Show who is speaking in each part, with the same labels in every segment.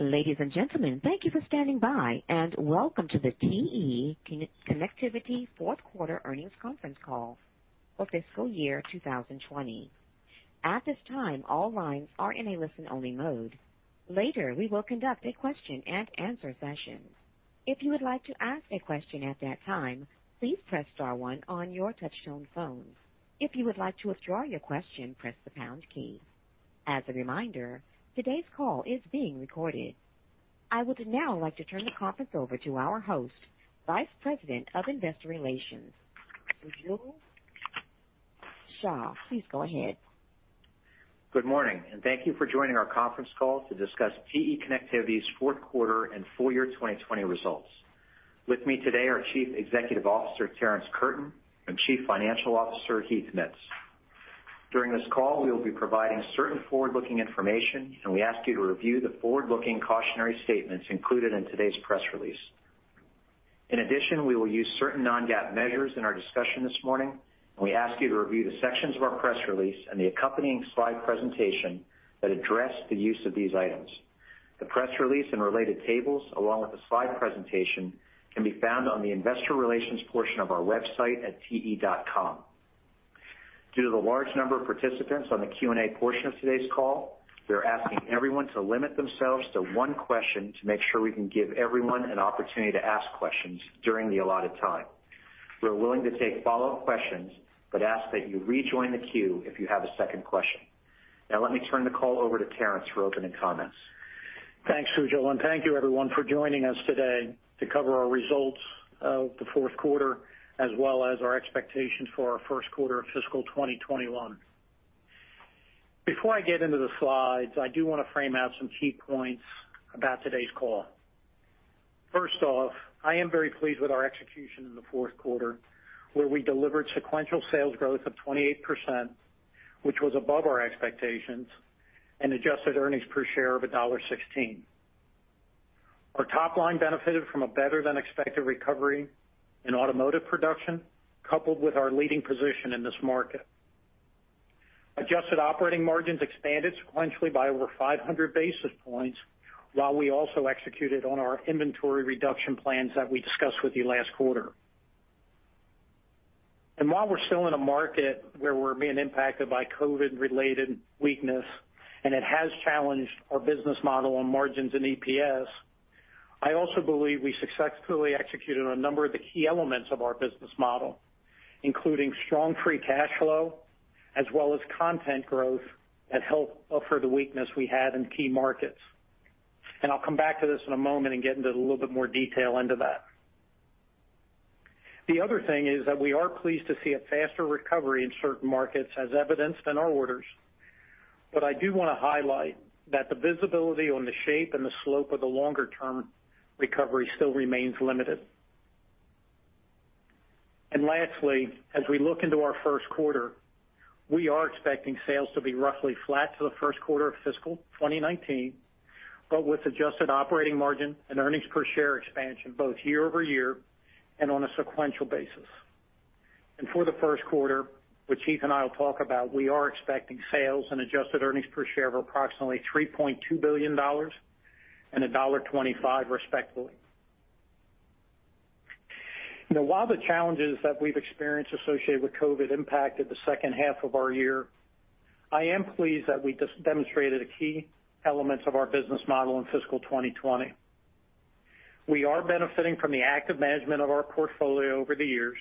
Speaker 1: Ladies and gentlemen, thank you for standing by, and welcome to the TE Connectivity Fourth Quarter Earnings Conference Call for Fiscal Year 2020. At this time, all lines are in a listen-only mode. Later, we will conduct a question and answer session. If you would like to ask a question at that time, please press star one on your touch-tone phone. If you would like to withdraw your question, press the pound key. As a reminder, today's call is being recorded. I would now like to turn the conference over to our host, Vice President of Investor Relations, Mr. Sujal Shah. Please go ahead.
Speaker 2: Good morning, and thank you for joining our conference call to discuss TE Connectivity's fourth quarter and full year 2020 results. With me today are Chief Executive Officer Terrence Curtin and Chief Financial Officer Heath Mitts. During this call, we will be providing certain forward-looking information, and we ask you to review the forward-looking cautionary statements included in today's press release. In addition, we will use certain non-GAAP measures in our discussion this morning, and we ask you to review the sections of our press release and the accompanying slide presentation that address the use of these items. The press release and related tables, along with the slide presentation, can be found on the investor relations portion of our website at te.com. Due to the large number of participants on the Q&A portion of today's call, we are asking everyone to limit themselves to one question to make sure we can give everyone an opportunity to ask questions during the allotted time. We're willing to take follow-up questions, but ask that you rejoin the queue if you have a second question. Now, let me turn the call over to Terrence for opening comments.
Speaker 3: Thanks, Sujal, and thank you, everyone, for joining us today to cover our results of the fourth quarter, as well as our expectations for our first quarter of fiscal 2021. Before I get into the slides, I do want to frame out some key points about today's call. First off, I am very pleased with our execution in the fourth quarter, where we delivered sequential sales growth of 28%, which was above our expectations, and adjusted earnings per share of $1.16. Our top line benefited from a better-than-expected recovery in automotive production, coupled with our leading position in this market. Adjusted operating margins expanded sequentially by over 500 basis points, while we also executed on our inventory reduction plans that we discussed with you last quarter. While we're still in a market where we're being impacted by COVID-related weakness, and it has challenged our business model on margins and EPS, I also believe we successfully executed on a number of the key elements of our business model, including strong free cash flow, as well as content growth that helped buffer the weakness we had in key markets. I'll come back to this in a moment and get into a little bit more detail into that. The other thing is that we are pleased to see a faster recovery in certain markets, as evidenced in our orders. But I do want to highlight that the visibility on the shape and the slope of the longer-term recovery still remains limited. Lastly, as we look into our first quarter, we are expecting sales to be roughly flat to the first quarter of fiscal 2019, but with adjusted operating margin and earnings per share expansion, both year over year and on a sequential basis. For the first quarter, which Heath and I will talk about, we are expecting sales and adjusted earnings per share of approximately $3.2 billion and $1.25, respectively. Now, while the challenges that we've experienced associated with COVID impacted the second half of our year, I am pleased that we demonstrated the key elements of our business model in fiscal 2020. We are benefiting from the active management of our portfolio over the years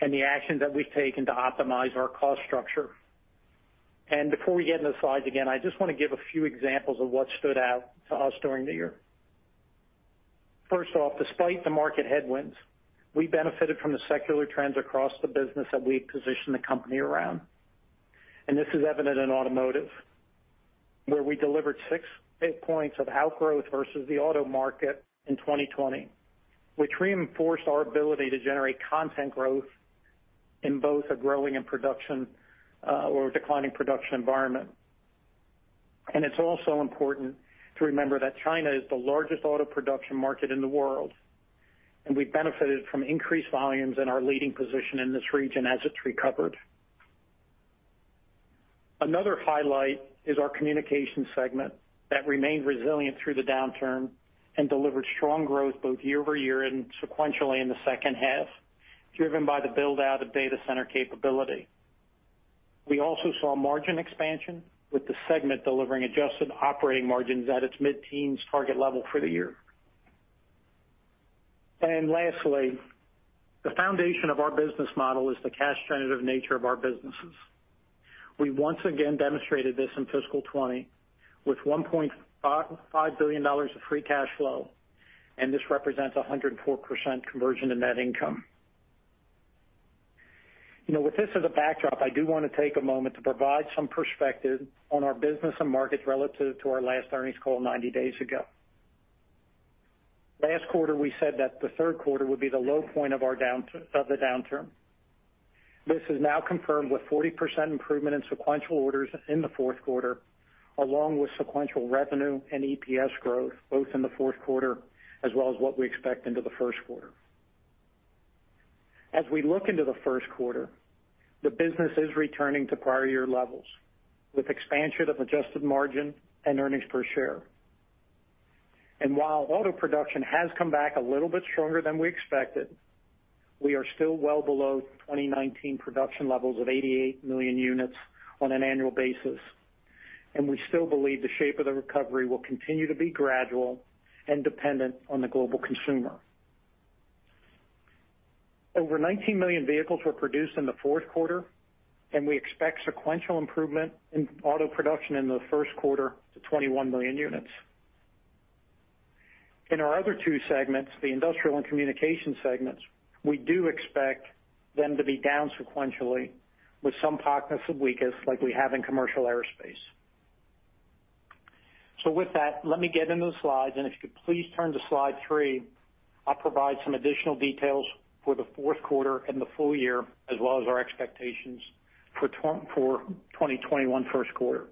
Speaker 3: and the actions that we've taken to optimize our cost structure. Before we get into the slides again, I just want to give a few examples of what stood out to us during the year. First off, despite the market headwinds, we benefited from the secular trends across the business that we positioned the company around. This is evident in automotive, where we delivered six points of outgrowth versus the auto market in 2020, which reinforced our ability to generate content growth in both a growing and declining production environment. It's also important to remember that China is the largest auto production market in the world, and we benefited from increased volumes in our leading position in this region as it's recovered. Another highlight is our communication segment that remained resilient through the downturn and delivered strong growth both year over year and sequentially in the second half, driven by the build-out of data center capability. We also saw margin expansion, with the segment delivering adjusted operating margins at its mid-teens target level for the year, and lastly, the foundation of our business model is the cash-generative nature of our businesses. We once again demonstrated this in fiscal 2020, with $1.5 billion of free cash flow, and this represents 104% conversion to net income. With this as a backdrop, I do want to take a moment to provide some perspective on our business and markets relative to our last earnings call 90 days ago. Last quarter, we said that the third quarter would be the low point of the downturn. This is now confirmed with 40% improvement in sequential orders in the fourth quarter, along with sequential revenue and EPS growth, both in the fourth quarter as well as what we expect into the first quarter. As we look into the first quarter, the business is returning to prior year levels, with expansion of adjusted margin and earnings per share, and while auto production has come back a little bit stronger than we expected, we are still well below 2019 production levels of 88 million units on an annual basis, and we still believe the shape of the recovery will continue to be gradual and dependent on the global consumer, over 19 million vehicles were produced in the fourth quarter, and we expect sequential improvement in auto production in the first quarter to 21 million units. In our other two segments, the Industrial and communication segments, we do expect them to be down sequentially, with some pockets of weakness like we have in commercial aerospace. So with that, let me get into the slides, and if you could please turn to slide three, I'll provide some additional details for the fourth quarter and the full year, as well as our expectations for 2021 first quarter.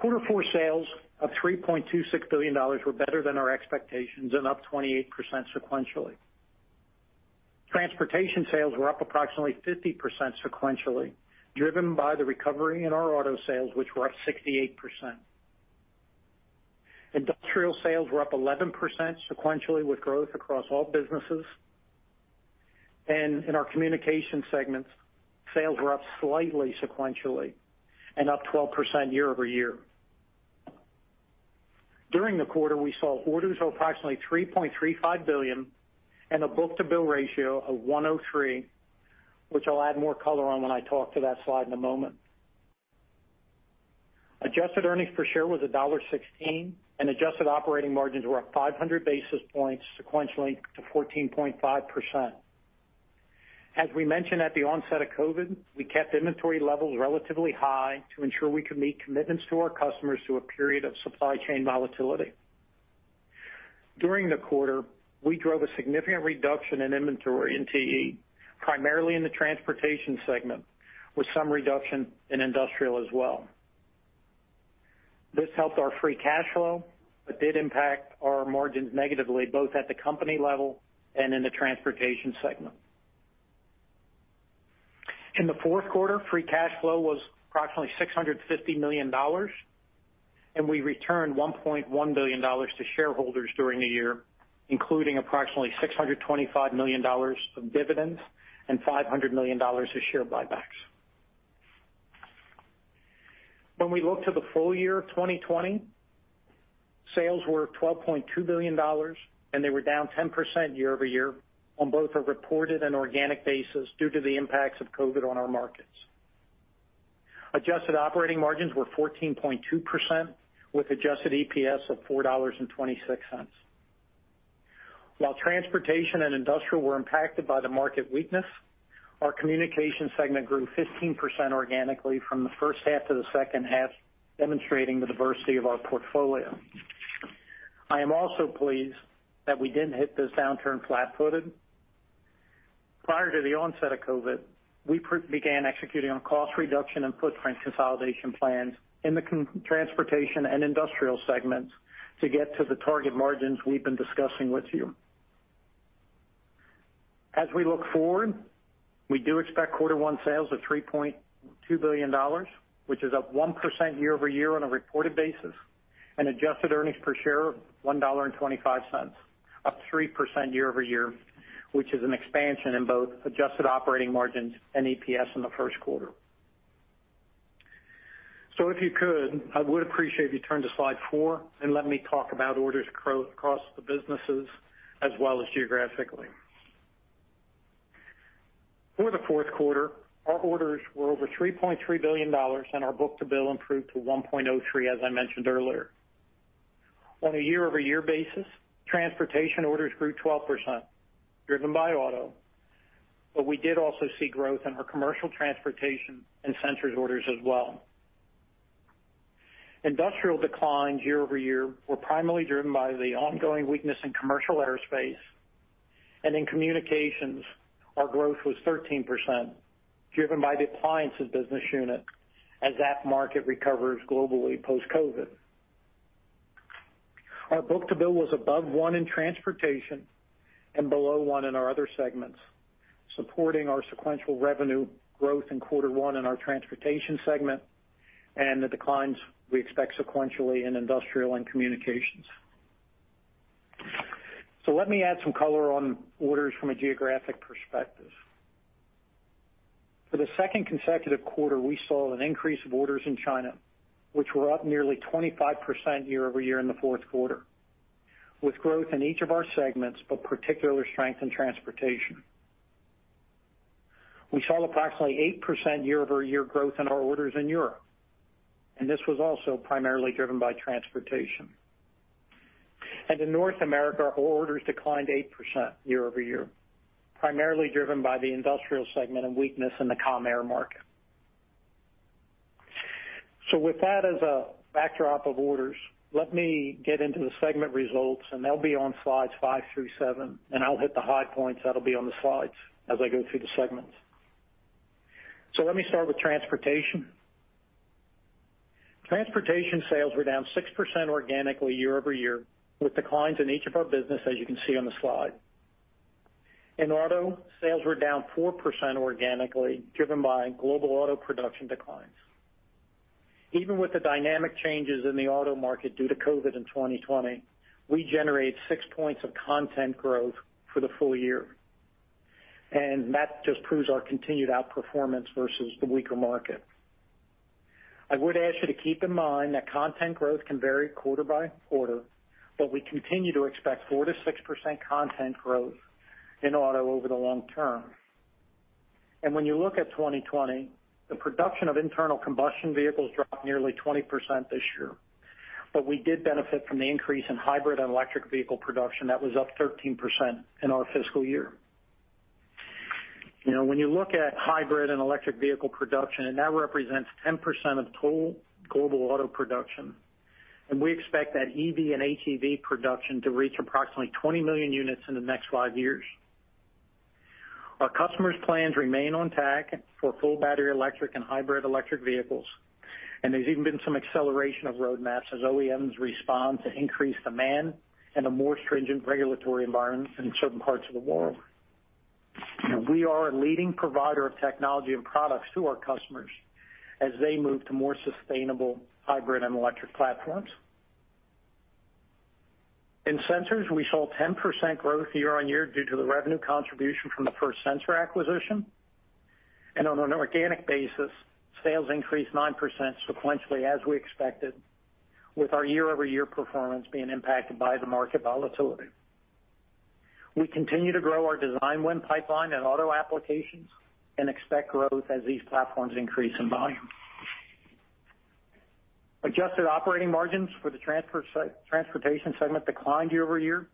Speaker 3: Quarter four sales of $3.26 billion were better than our expectations and up 28% sequentially. Transportation sales were up approximately 50% sequentially, driven by the recovery in our auto sales, which were up 68%. Industrial sales were up 11% sequentially, with growth across all businesses. And in our communication segments, sales were up slightly sequentially and up 12% year over year. During the quarter, we saw orders of approximately $3.35 billion and a book-to-bill ratio of 103, which I'll add more color on when I talk to that slide in a moment. Adjusted earnings per share was $1.16, and adjusted operating margins were up 500 basis points sequentially to 14.5%. As we mentioned at the onset of COVID, we kept inventory levels relatively high to ensure we could meet commitments to our customers through a period of supply chain volatility. During the quarter, we drove a significant reduction in inventory in TE, primarily in the Transportation segment, with some reduction in Industrial as well. This helped our free cash flow, but did impact our margins negatively, both at the company level and in the Transportation segment. In the fourth quarter, free cash flow was approximately $650 million, and we returned $1.1 billion to shareholders during the year, including approximately $625 million of dividends and $500 million of share buybacks. When we look to the full year of 2020, sales were $12.2 billion, and they were down 10% year over year on both a reported and organic basis due to the impacts of COVID on our markets. Adjusted operating margins were 14.2%, with adjusted EPS of $4.26. While Transportation and Industrial were impacted by the market weakness, our communication segment grew 15% organically from the first half to the second half, demonstrating the diversity of our portfolio. I am also pleased that we didn't hit this downturn flat-footed. Prior to the onset of COVID, we began executing on cost reduction and footprint consolidation plans in the Transportation and Industrial segments to get to the target margins we've been discussing with you. As we look forward, we do expect quarter one sales of $3.2 billion, which is up 1% year over year on a reported basis, and adjusted earnings per share of $1.25, up 3% year over year, which is an expansion in both adjusted operating margins and EPS in the first quarter. If you could, I would appreciate if you turn to slide four and let me talk about orders across the businesses as well as geographically. For the fourth quarter, our orders were over $3.3 billion, and our book-to-bill improved to 1.03, as I mentioned earlier. On a year-over-year basis, Transportation orders grew 12%, driven by auto, but we did also see growth in our commercial Transportation and sensors orders as well. Industrial declines year over year were primarily driven by the ongoing weakness in commercial aerospace, and in communications, our growth was 13%, driven by the appliances business unit as that market recovers globally post-COVID. Our book-to-bill was above one in Transportation and below one in our other segments, supporting our sequential revenue growth in quarter one in our Transportation segment and the declines we expect sequentially in Industrial and communications. So let me add some color on orders from a geographic perspective. For the second consecutive quarter, we saw an increase of orders in China, which were up nearly 25% year over year in the fourth quarter, with growth in each of our segments, but particularly strength in Transportation. We saw approximately 8% year-over-year growth in our orders in Europe, and this was also primarily driven by Transportation. And in North America, our orders declined 8% year over year, primarily driven by the Industrial segment and weakness in the CommAir market. So with that as a backdrop of orders, let me get into the segment results, and they'll be on slides five through seven, and I'll hit the high points that'll be on the slides as I go through the segments. So let me start with Transportation. Transportation sales were down 6% organically year over year, with declines in each of our businesses, as you can see on the slide. In auto, sales were down 4% organically, driven by global auto production declines. Even with the dynamic changes in the auto market due to COVID in 2020, we generated six points of content growth for the full year, and that just proves our continued outperformance versus the weaker market. I would ask you to keep in mind that content growth can vary quarter by quarter, but we continue to expect 4%-6% content growth in auto over the long term, and when you look at 2020, the production of internal combustion vehicles dropped nearly 20% this year, but we did benefit from the increase in hybrid and electric vehicle production that was up 13% in our fiscal year. When you look at hybrid and electric vehicle production, and that represents 10% of total global auto production, and we expect that EV and HEV production to reach approximately 20 million units in the next five years. Our customers' plans remain on track for full battery electric and hybrid electric vehicles, and there's even been some acceleration of roadmaps as OEMs respond to increased demand and a more stringent regulatory environment in certain parts of the world. We are a leading provider of technology and products to our customers as they move to more sustainable hybrid and electric platforms. In sensors, we saw 10% growth year on year due to the revenue contribution from the First Sensor acquisition, and on an organic basis, sales increased 9% sequentially as we expected, with our year-over-year performance being impacted by the market volatility. We continue to grow our design win pipeline and auto applications and expect growth as these platforms increase in volume. Adjusted operating margins for the Transportation segment declined year over year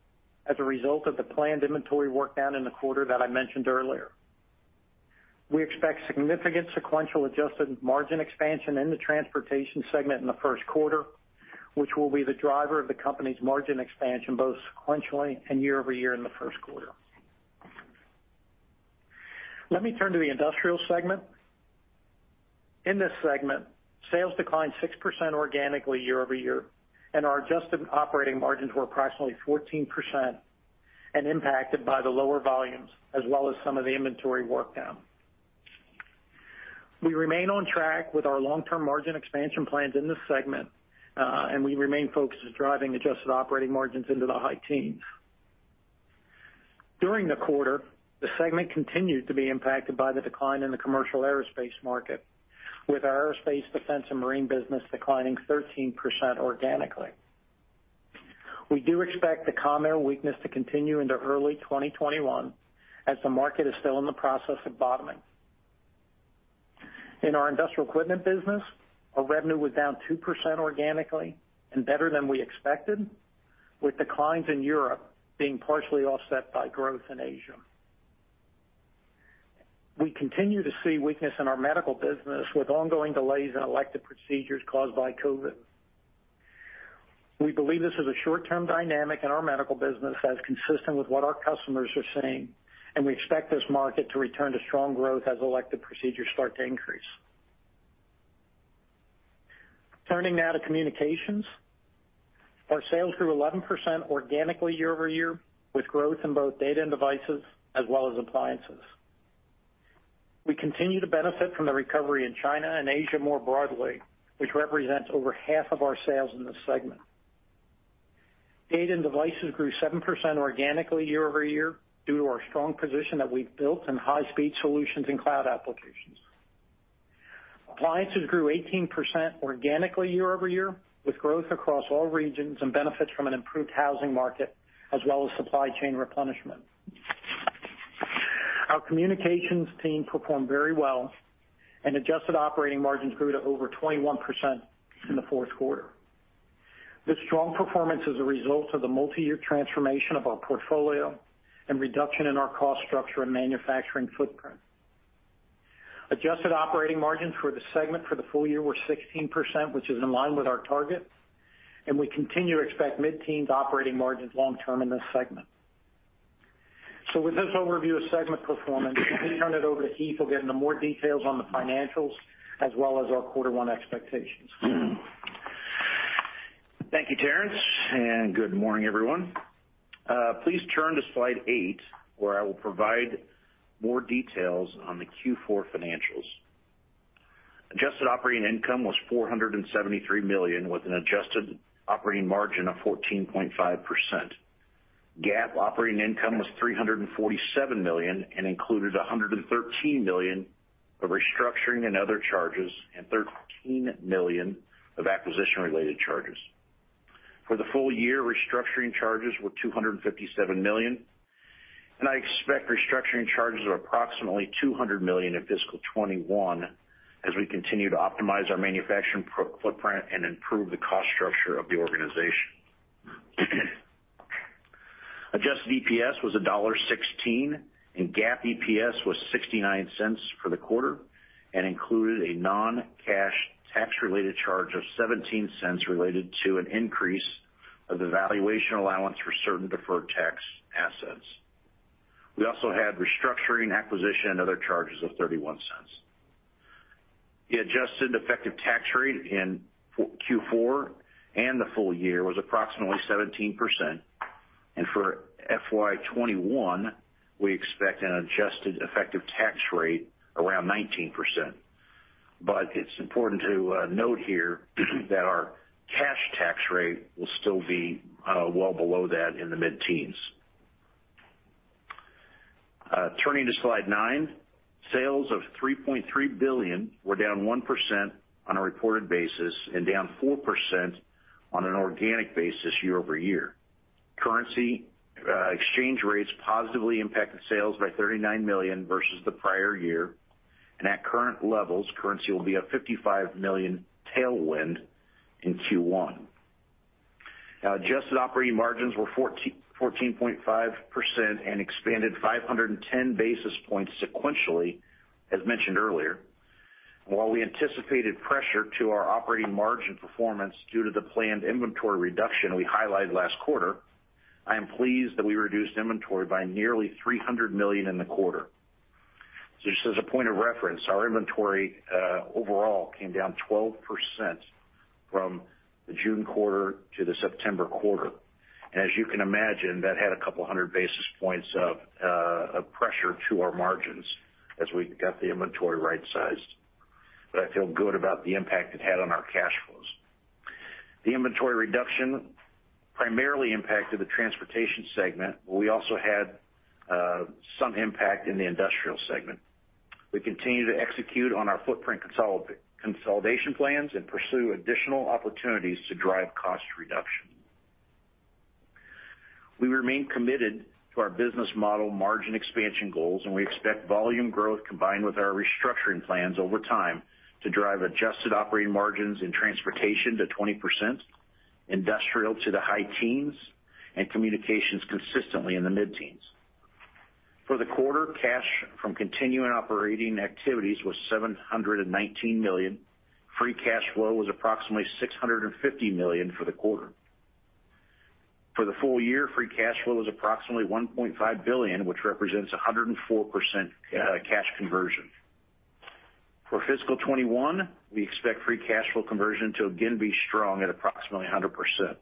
Speaker 3: as a result of the planned inventory workdown in the quarter that I mentioned earlier. We expect significant sequential adjusted margin expansion in the Transportation segment in the first quarter, which will be the driver of the company's margin expansion both sequentially and year over year in the first quarter. Let me turn to the Industrial segment. In this segment, sales declined 6% organically year over year, and our adjusted operating margins were approximately 14% and impacted by the lower volumes as well as some of the inventory workdown. We remain on track with our long-term margin expansion plans in this segment, and we remain focused on driving adjusted operating margins into the high teens. During the quarter, the segment continued to be impacted by the decline in the commercial aerospace market, with our aerospace, defense, and marine business declining 13% organically. We do expect the Com Air weakness to continue into early 2021 as the market is still in the process of bottoming. In our Industrial equipment business, our revenue was down 2% organically and better than we expected, with declines in Europe being partially offset by growth in Asia. We continue to see weakness in our medical business with ongoing delays in elective procedures caused by COVID. We believe this is a short-term dynamic in our medical business that is consistent with what our customers are seeing, and we expect this market to return to strong growth as elective procedures start to increase. Turning now to communications, our sales grew 11% organically year over year, with growth in both Data and Devices as well as appliances. We continue to benefit from the recovery in China and Asia more broadly, which represents over half of our sales in this segment. Data and devices grew 7% organically year over year due to our strong position that we've built in high-speed solutions and cloud applications. Appliances grew 18% organically year over year, with growth across all regions and benefits from an improved housing market as well as supply chain replenishment. Our communications team performed very well, and adjusted operating margins grew to over 21% in the fourth quarter. This strong performance is a result of the multi-year transformation of our portfolio and reduction in our cost structure and manufacturing footprint. Adjusted operating margins for the segment for the full year were 16%, which is in line with our target, and we continue to expect mid-teens operating margins long-term in this segment. So with this overview of segment performance, let me turn it over to Heath, who'll get into more details on the financials as well as our quarter one expectations.
Speaker 4: Thank you, Terrence, and good morning, everyone. Please turn to slide eight, where I will provide more details on the Q4 financials. Adjusted operating income was $473 million, with an adjusted operating margin of 14.5%. GAAP operating income was $347 million and included $113 million of restructuring and other charges and $13 million of acquisition-related charges. For the full year, restructuring charges were $257 million, and I expect restructuring charges of approximately $200 million in fiscal 2021 as we continue to optimize our manufacturing footprint and improve the cost structure of the organization. Adjusted EPS was $1.16, and GAAP EPS was $0.69 for the quarter and included a non-cash tax-related charge of $0.17 related to an increase of the valuation allowance for certain deferred tax assets. We also had restructuring, acquisition, and other charges of $0.31. The adjusted effective tax rate in Q4 and the full year was approximately 17%, and for FY 2021, we expect an adjusted effective tax rate around 19%. But it's important to note here that our cash tax rate will still be well below that in the mid-teens. Turning to slide nine, sales of $3.3 billion were down 1% on a reported basis and down 4% on an organic basis year over year. Currency exchange rates positively impacted sales by $39 million versus the prior year, and at current levels, currency will be a $55 million tailwind in Q1. Adjusted operating margins were 14.5% and expanded 510 basis points sequentially, as mentioned earlier. While we anticipated pressure to our operating margin performance due to the planned inventory reduction we highlighted last quarter, I am pleased that we reduced inventory by nearly $300 million in the quarter. So just as a point of reference, our inventory overall came down 12% from the June quarter to the September quarter, and as you can imagine, that had a couple hundred basis points of pressure to our margins as we got the inventory right-sized. But I feel good about the impact it had on our cash flows. The inventory reduction primarily impacted the Transportation segment, but we also had some impact in the Industrial segment. We continue to execute on our footprint consolidation plans and pursue additional opportunities to drive cost reduction. We remain committed to our business model margin expansion goals, and we expect volume growth combined with our restructuring plans over time to drive adjusted operating margins in Transportation to 20%, Industrial to the high teens, and communications consistently in the mid-teens. For the quarter, cash from continuing operating activities was $719 million. Free cash flow was approximately $650 million for the quarter. For the full year, free cash flow was approximately $1.5 billion, which represents 104% cash conversion. For fiscal 2021, we expect free cash flow conversion to again be strong at approximately 100%.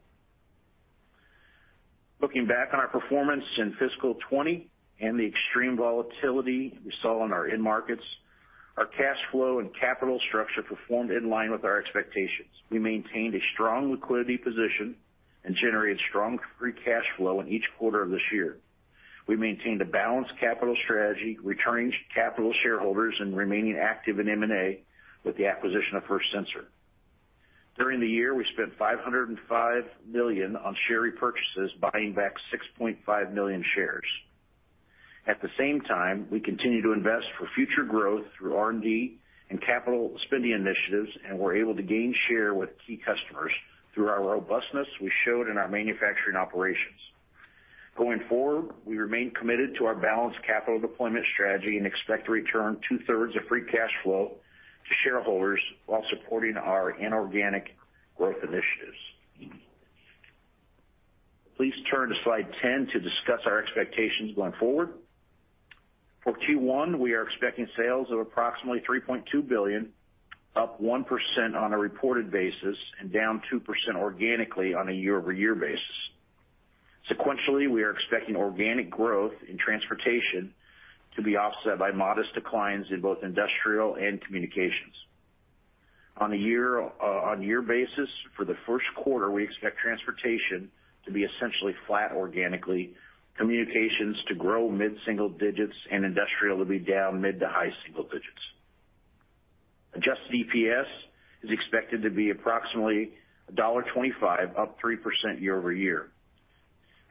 Speaker 4: Looking back on our performance in fiscal 2020 and the extreme volatility we saw in our end markets, our cash flow and capital structure performed in line with our expectations. We maintained a strong liquidity position and generated strong free cash flow in each quarter of this year. We maintained a balanced capital strategy, returning capital to shareholders and remaining active in M&A with the acquisition of First Sensor. During the year, we spent $505 million on share repurchases, buying back 6.5 million shares. At the same time, we continue to invest for future growth through R&D and capital spending initiatives and were able to gain share with key customers through our robustness we showed in our manufacturing operations. Going forward, we remain committed to our balanced capital deployment strategy and expect to return two-thirds of free cash flow to shareholders while supporting our inorganic growth initiatives. Please turn to slide 10 to discuss our expectations going forward. For Q1, we are expecting sales of approximately $3.2 billion, up 1% on a reported basis and down 2% organically on a year-over-year basis. Sequentially, we are expecting organic growth in Transportation to be offset by modest declines in both Industrial and communications. On a year-on-year basis, for the first quarter, we expect Transportation to be essentially flat organically, communications to grow mid-single digits, and Industrial to be down mid to high single digits. Adjusted EPS is expected to be approximately $1.25, up 3% year over year.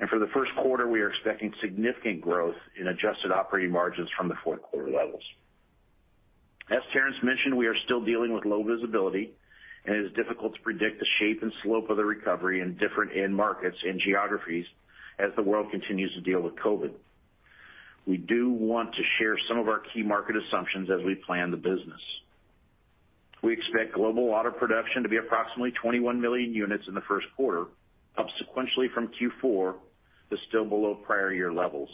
Speaker 4: And for the first quarter, we are expecting significant growth in adjusted operating margins from the fourth quarter levels. As Terrence mentioned, we are still dealing with low visibility, and it is difficult to predict the shape and slope of the recovery in different end markets and geographies as the world continues to deal with COVID. We do want to share some of our key market assumptions as we plan the business. We expect global auto production to be approximately 21 million units in the first quarter, up sequentially from Q4 to still below prior year levels.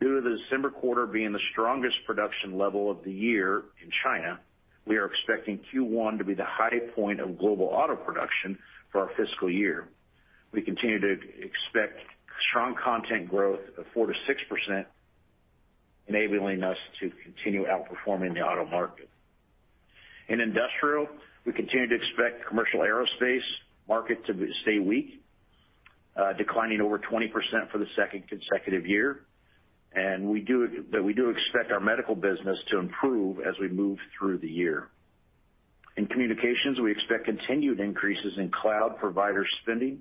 Speaker 4: Due to the December quarter being the strongest production level of the year in China, we are expecting Q1 to be the high point of global auto production for our fiscal year. We continue to expect strong content growth of 4%-6%, enabling us to continue outperforming the auto market. In Industrial, we continue to expect the Commercial Aerospace market to stay weak, declining over 20% for the second consecutive year, and we do expect our medical business to improve as we move through the year. In Communications, we expect continued increases in cloud provider spending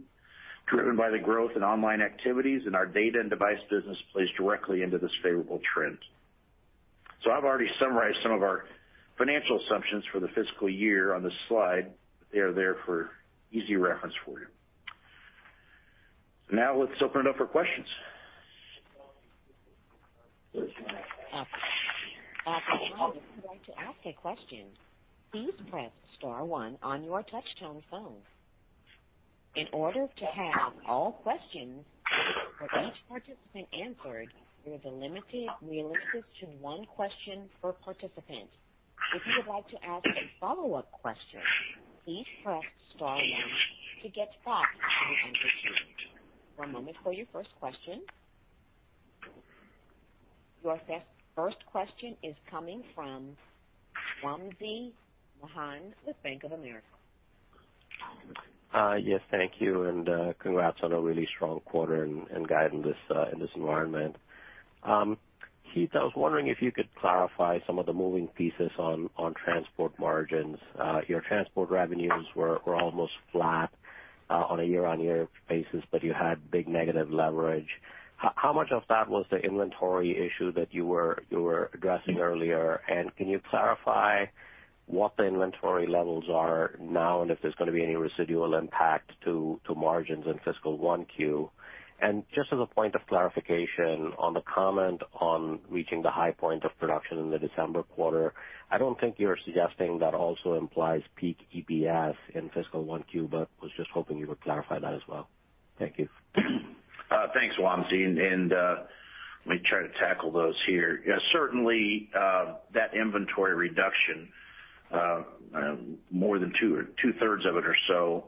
Speaker 4: driven by the growth in online activities, and our Data and Devices business plays directly into this favorable trend. So I've already summarized some of our financial assumptions for the fiscal year on this slide. They are there for easy reference for you. Now let's open it up for questions.
Speaker 1: If you would like to ask a question. Please press star one on your touch-tone phone. In order to have all questions for each participant answered, there is a limited we ask to one question per participant. If you would like to ask a follow-up question, please press star one to get back to the interview. One moment for your first question. Your first question is coming from Wamsi Mohan with Bank of America.
Speaker 5: Yes, thank you, and congrats on a really strong quarter and guidance in this environment. Heath, I was wondering if you could clarify some of the moving pieces on transport margins. Your transport revenues were almost flat on a year-on-year basis, but you had big negative leverage. How much of that was the inventory issue that you were addressing earlier? And can you clarify what the inventory levels are now and if there's going to be any residual impact to margins in fiscal one Q? And just as a point of clarification on the comment on reaching the high point of production in the December quarter, I don't think you're suggesting that also implies peak EPS in fiscal one Q, but was just hoping you would clarify that as well. Thank you.
Speaker 4: Thanks, Wamsi, and let me try to tackle those here. Certainly, that inventory reduction, more than two-thirds of it or so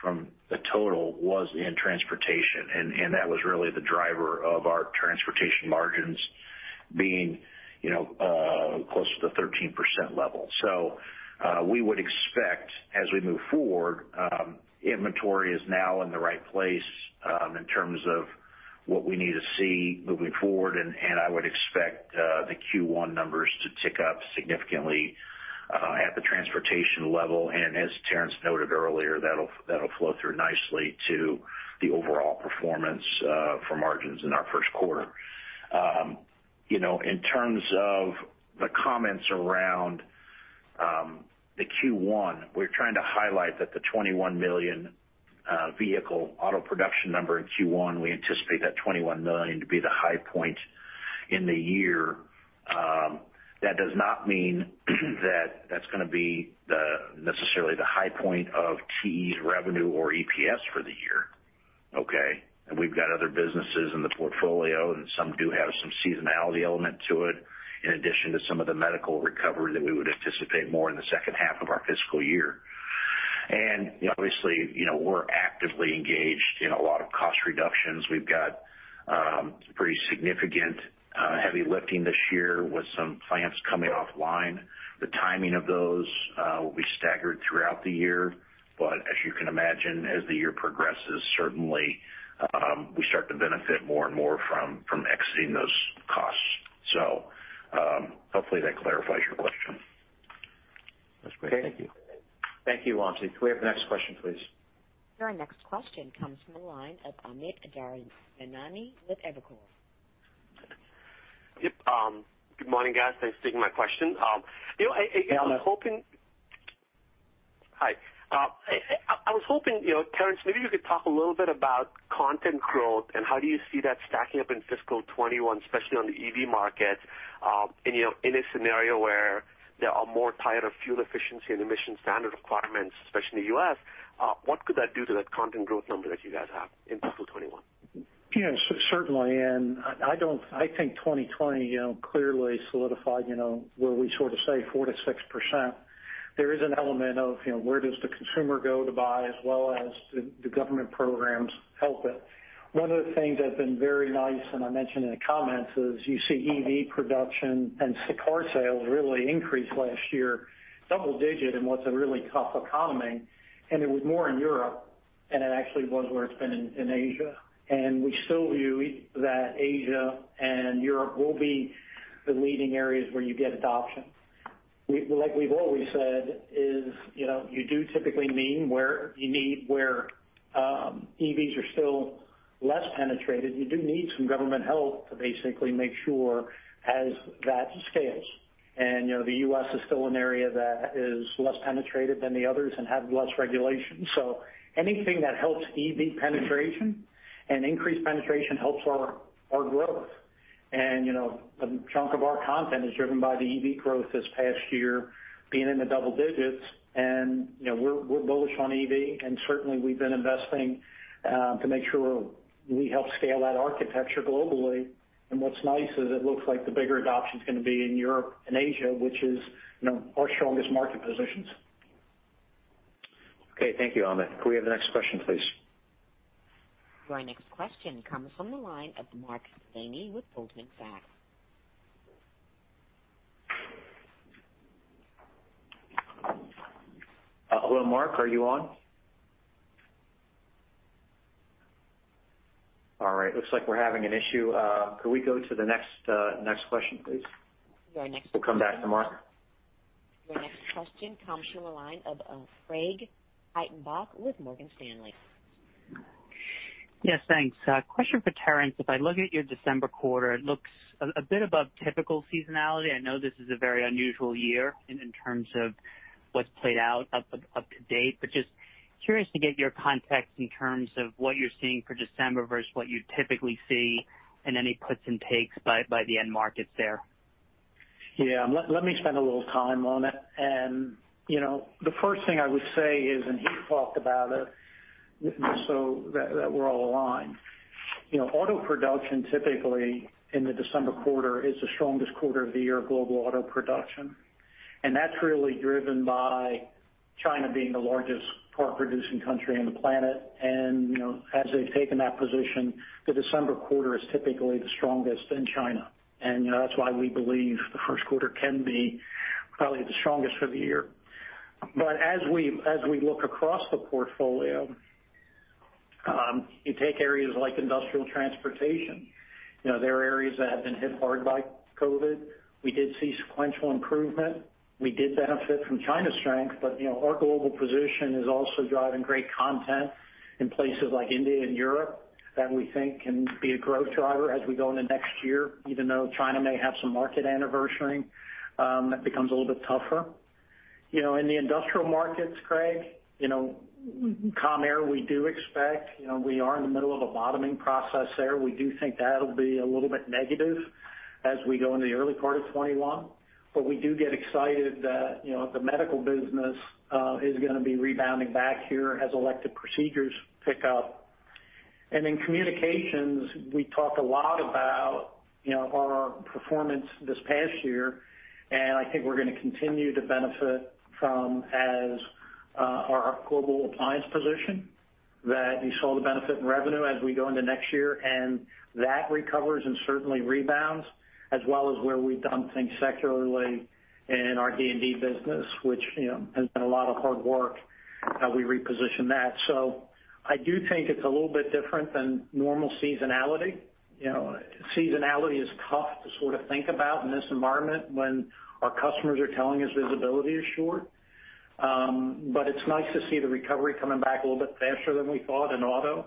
Speaker 4: from the total was in Transportation, and that was really the driver of our Transportation margins being close to the 13% level, so we would expect, as we move forward, inventory is now in the right place in terms of what we need to see moving forward, and I would expect the Q1 numbers to tick up significantly at the Transportation level. As Terrence noted earlier, that'll flow through nicely to the overall performance for margins in our first quarter. In terms of the comments around the Q1, we're trying to highlight that the 21 million vehicle auto production number in Q1, we anticipate that 21 million to be the high point in the year. That does not mean that that's going to be necessarily the high point of TE's revenue or EPS for the year, okay? And we've got other businesses in the portfolio, and some do have some seasonality element to it, in addition to some of the medical recovery that we would anticipate more in the second half of our fiscal year. And obviously, we're actively engaged in a lot of cost reductions. We've got pretty significant heavy lifting this year with some plants coming offline. The timing of those will be staggered throughout the year, but as you can imagine, as the year progresses, certainly we start to benefit more and more from exiting those costs. So hopefully that clarifies your question.
Speaker 5: That's great. Thank you.
Speaker 2: Thank you, Wamsi. Can we have the next question, please?
Speaker 1: Our next question comes from the line of Amit Daryanani with Evercore.
Speaker 6: Yep. Good morning, guys. Thanks for taking my question. I was hoping, hi. I was hoping, Terrence, maybe you could talk a little bit about content growth and how do you see that stacking up in fiscal 2021, especially on the EV market? And in a scenario where there are more tighter fuel efficiency and emission standard requirements, especially in the U.S., what could that do to that content growth number that you guys have in fiscal 2021?
Speaker 3: Yeah, certainly. And I think 2020 clearly solidified where we sort of say 4%-6%. There is an element of where does the consumer go to buy, as well as the government programs help it. One of the things that's been very nice, and I mentioned in the comments, is you see EV production and car sales really increased last year, double-digit in what's a really tough economy. And it was more in Europe, and it actually was worse than in Asia. And we still view that Asia and Europe will be the leading areas where you get adoption. Like we've always said, you do typically need where EVs are still less penetrated. You do need some government help to basically make sure as that scales. And the U.S. is still an area that is less penetrated than the others and has less regulation. So anything that helps EV penetration and increased penetration helps our growth. And a chunk of our content is driven by the EV growth this past year, being in the double digits. And we're bullish on EV, and certainly we've been investing to make sure we help scale that architecture globally. And what's nice is it looks like the bigger adoption is going to be in Europe and Asia, which is our strongest market positions.
Speaker 2: Okay, thank you, Amit. Can we have the next question, please?
Speaker 1: Your next question comes from the line of Mark Delaney with Goldman Sachs.
Speaker 2: Hello, Mark. Are you on? All right. Looks like we're having an issue. Can we go to the next question, please?
Speaker 1: Your next question.
Speaker 4: We'll come back to Mark.
Speaker 1: Your next question comes from the line of Craig Hettenbach with Morgan Stanley.
Speaker 7: Yes, thanks. Question for Terrence. If I look at your December quarter, it looks a bit above typical seasonality. I know this is a very unusual year in terms of what's played out up to date, but just curious to get your context in terms of what you're seeing for December versus what you typically see and any puts and takes by the end markets there.
Speaker 3: Yeah, let me spend a little time on it. And the first thing I would say is, and he talked about it so that we're all aligned, auto production typically in the December quarter is the strongest quarter of the year of global auto production. And that's really driven by China being the largest car-producing country on the planet. And as they've taken that position, the December quarter is typically the strongest in China. And that's why we believe the first quarter can be probably the strongest for the year. But as we look across the portfolio, you take areas like Industrial Transportation. There are areas that have been hit hard by COVID. We did see sequential improvement. We did benefit from China's strength, but our global position is also driving great content in places like India and Europe that we think can be a growth driver as we go into next year, even though China may have some market anniversary that becomes a little bit tougher. In the Industrial markets, Craig, Com Air, we do expect we are in the middle of a bottoming process there. We do think that'll be a little bit negative as we go into the early part of 2021. We do get excited that the medical business is going to be rebounding back here as elective procedures pick up. In communications, we talk a lot about our performance this past year, and I think we're going to continue to benefit from our global appliance position that you saw the benefit in revenue as we go into next year. And that recovers and certainly rebounds, as well as where we've done things secularly in our D&D business, which has been a lot of hard work. We repositioned that. So I do think it's a little bit different than normal seasonality. Seasonality is tough to sort of think about in this environment when our customers are telling us visibility is short. But it's nice to see the recovery coming back a little bit faster than we thought in auto.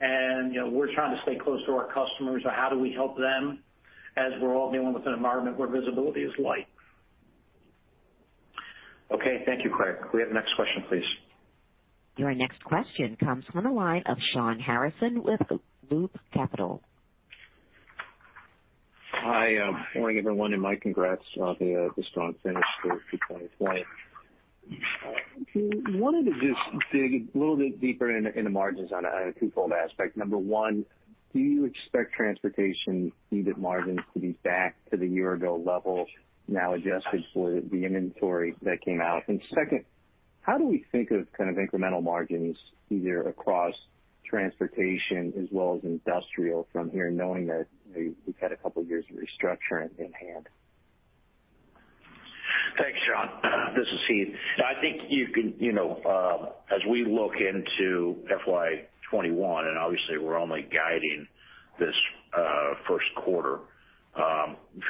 Speaker 3: And we're trying to stay close to our customers on how do we help them as we're all dealing with an environment where visibility is light.
Speaker 2: Okay, thank you, Craig. Can we have the next question, please?
Speaker 1: Your next question comes from the line of Shawn Harrison with Loop Capital.
Speaker 8: Hi, morning everyone, and my congrats on the strong finish for 2020. I wanted to just dig a little bit deeper into margins on a twofold aspect. Number one, do you expect Transportation EV margins to be back to the year-ago level now adjusted for the inventory that came out? And second, how do we think of kind of incremental margins either across Transportation as well as Industrial from here, knowing that we've had a couple of years of restructuring in hand? Thanks, Shawn.
Speaker 4: This is Heath. I think you can, as we look into FY21, and obviously we're only guiding this first quarter,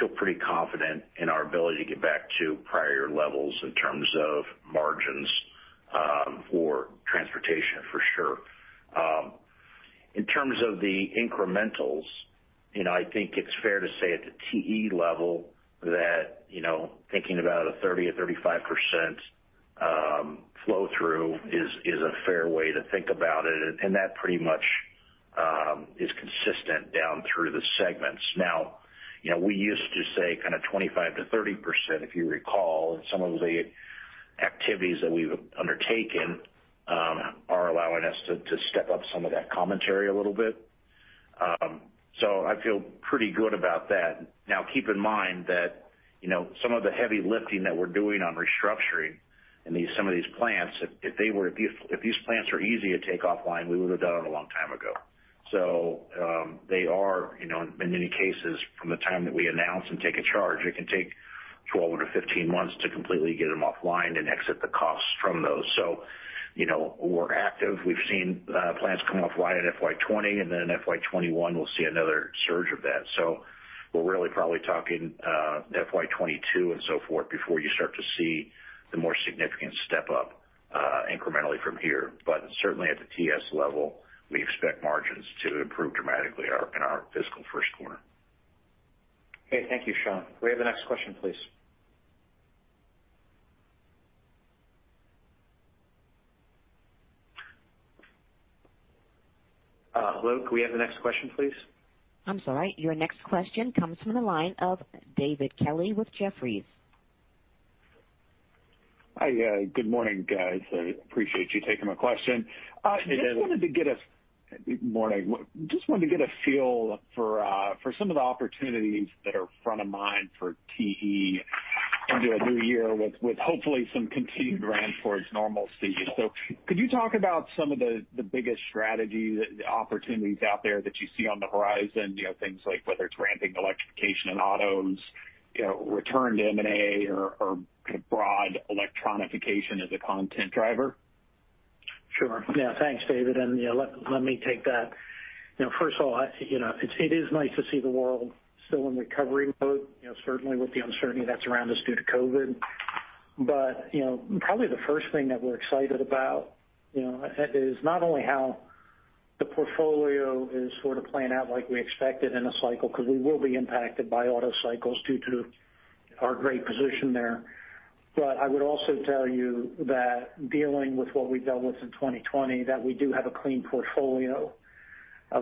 Speaker 4: feel pretty confident in our ability to get back to prior levels in terms of margins for Transportation, for sure. In terms of the incrementals, I think it's fair to say at the TE level that thinking about a 30%-35% flow-through is a fair way to think about it. And that pretty much is consistent down through the segments. Now, we used to say kind of 25%-30%, if you recall, and some of the activities that we've undertaken are allowing us to step up some of that commentary a little bit. So I feel pretty good about that. Now, keep in mind that some of the heavy lifting that we're doing on restructuring in some of these plants, if these plants were easy to take offline, we would have done it a long time ago. So they are, in many cases, from the time that we announce and take a charge, it can take 12 to 15 months to completely get them offline and exit the costs from those. So we're active. We've seen plants come offline in FY20, and then in FY21, we'll see another surge of that. So we're really probably talking FY22 and so forth before you start to see the more significant step up incrementally from here. But certainly at the TS level, we expect margins to improve dramatically in our fiscal first quarter.
Speaker 2: Okay, thank you, Shawn. Can we have the next question, please? Luke, can we have the next question, please?
Speaker 1: I'm sorry. Your next question comes from the line of David Kelley with Jefferies.
Speaker 9: Hi, good morning, guys. I appreciate you taking my question. I just wanted to get a good morning. Just wanted to get a feel for some of the opportunities that are front of mind for TE into a new year with hopefully some continued ramp towards normalcy. So could you talk about some of the biggest strategies, the opportunities out there that you see on the horizon, things like whether it's ramping electrification in autos, return to M&A, or kind of broad electronification as a content driver?
Speaker 3: Sure. Yeah, thanks, David. And let me take that. First of all, it is nice to see the world still in recovery mode, certainly with the uncertainty that's around us due to COVID. But probably the first thing that we're excited about is not only how the portfolio is sort of playing out like we expected in a cycle, because we will be impacted by auto cycles due to our great position there. But I would also tell you that dealing with what we dealt with in 2020, that we do have a clean portfolio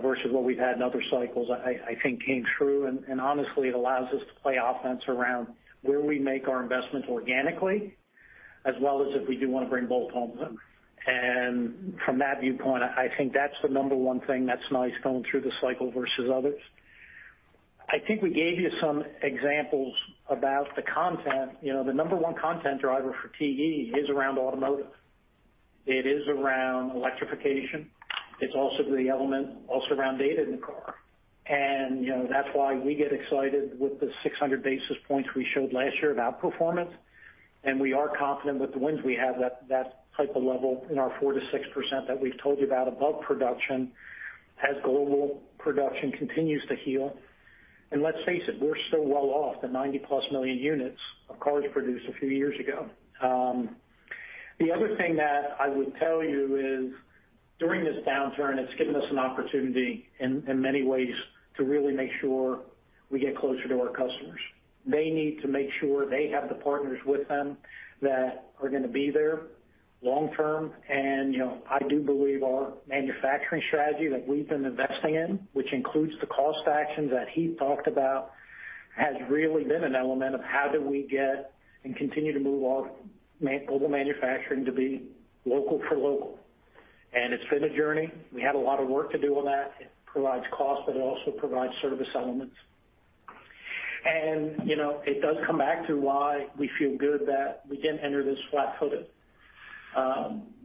Speaker 3: versus what we've had in other cycles, I think came through. And honestly, it allows us to play offense around where we make our investments organically, as well as if we do want to bring both home. And from that viewpoint, I think that's the number one thing that's nice going through the cycle versus others. I think we gave you some examples about the content. The number one content driver for TE is around automotive. It is around electrification. It's also the element around data in the car. And that's why we get excited with the 600 basis points we showed last year of outperformance. And we are confident with the wins we have, that type of level in our 4%-6% that we've told you about above production as global production continues to heal. And let's face it, we're still well off the 90-plus million units of cars produced a few years ago. The other thing that I would tell you is during this downturn, it's given us an opportunity in many ways to really make sure we get closer to our customers. They need to make sure they have the partners with them that are going to be there long-term. And I do believe our manufacturing strategy that we've been investing in, which includes the cost actions that Heath talked about, has really been an element of how do we get and continue to move our global manufacturing to be local for local. And it's been a journey. We had a lot of work to do on that. It provides cost, but it also provides service elements. And it does come back to why we feel good that we didn't enter this flat-footed.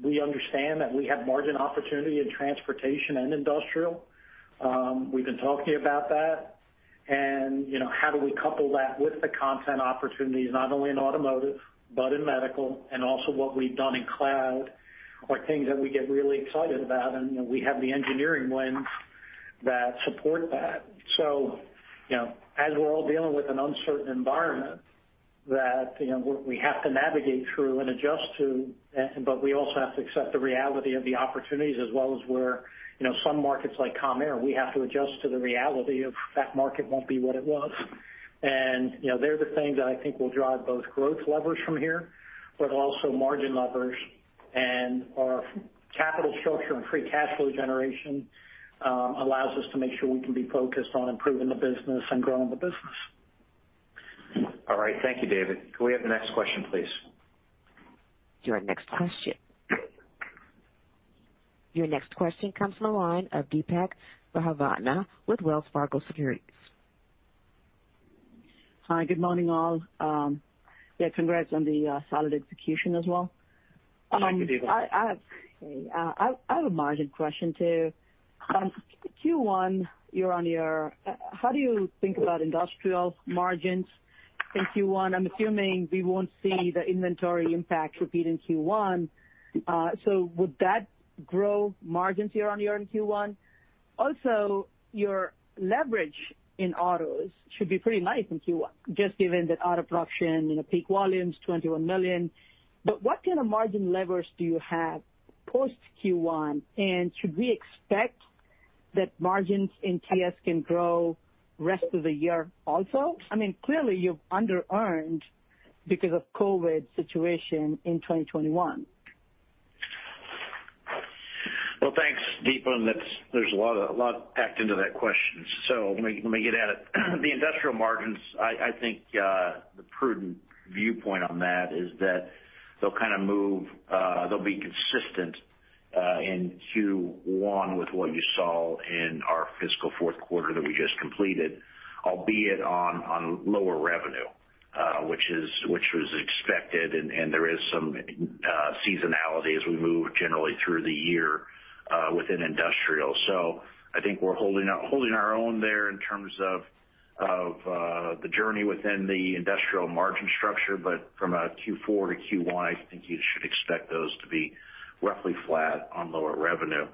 Speaker 3: We understand that we have margin opportunity in Transportation and Industrial. We've been talking about that. And how do we couple that with the content opportunities, not only in automotive, but in medical, and also what we've done in cloud are things that we get really excited about. And we have the engineering wins that support that. So as we're all dealing with an uncertain environment that we have to navigate through and adjust to, but we also have to accept the reality of the opportunities, as well as where some markets like Com Air, we have to adjust to the reality of that market won't be what it was. And they're the things that I think will drive both growth levers from here, but also margin levers. And our capital structure and free cash flow generation allows us to make sure we can be focused on improving the business and growing the business.
Speaker 2: All right. Thank you, David. Can we have the next question, please?
Speaker 1: Your next question comes from the line of Deepa Raghavan with Wells Fargo Securities.
Speaker 10: Hi, good morning all. Yeah, congrats on the solid execution as well.
Speaker 4: Thank you, Deepa.
Speaker 10: I have a margin question too. Q1, how do you think about Industrial margins in Q1? I'm assuming we won't see the inventory impact repeat in Q1. So would that grow margins year on year in Q1? Also, your leverage in autos should be pretty nice in Q1, just given that auto production in peak volumes, 21 million. But what kind of margin levers do you have post-Q1? And should we expect that margins in TS can grow rest of the year also? I mean, clearly you've under-earned because of the COVID situation in 2021.
Speaker 4: Well, thanks, Deepa. There's a lot packed into that question. So let me get at it. The Industrial margins, I think the prudent viewpoint on that is that they'll kind of move, they'll be consistent in Q1 with what you saw in our fiscal fourth quarter that we just completed, albeit on lower revenue, which was expected. And there is some seasonality as we move generally through the year within Industrial. So I think we're holding our own there in terms of the journey within the Industrial margin structure. But from Q4 to Q1, I think you should expect those to be roughly flat on lower revenue.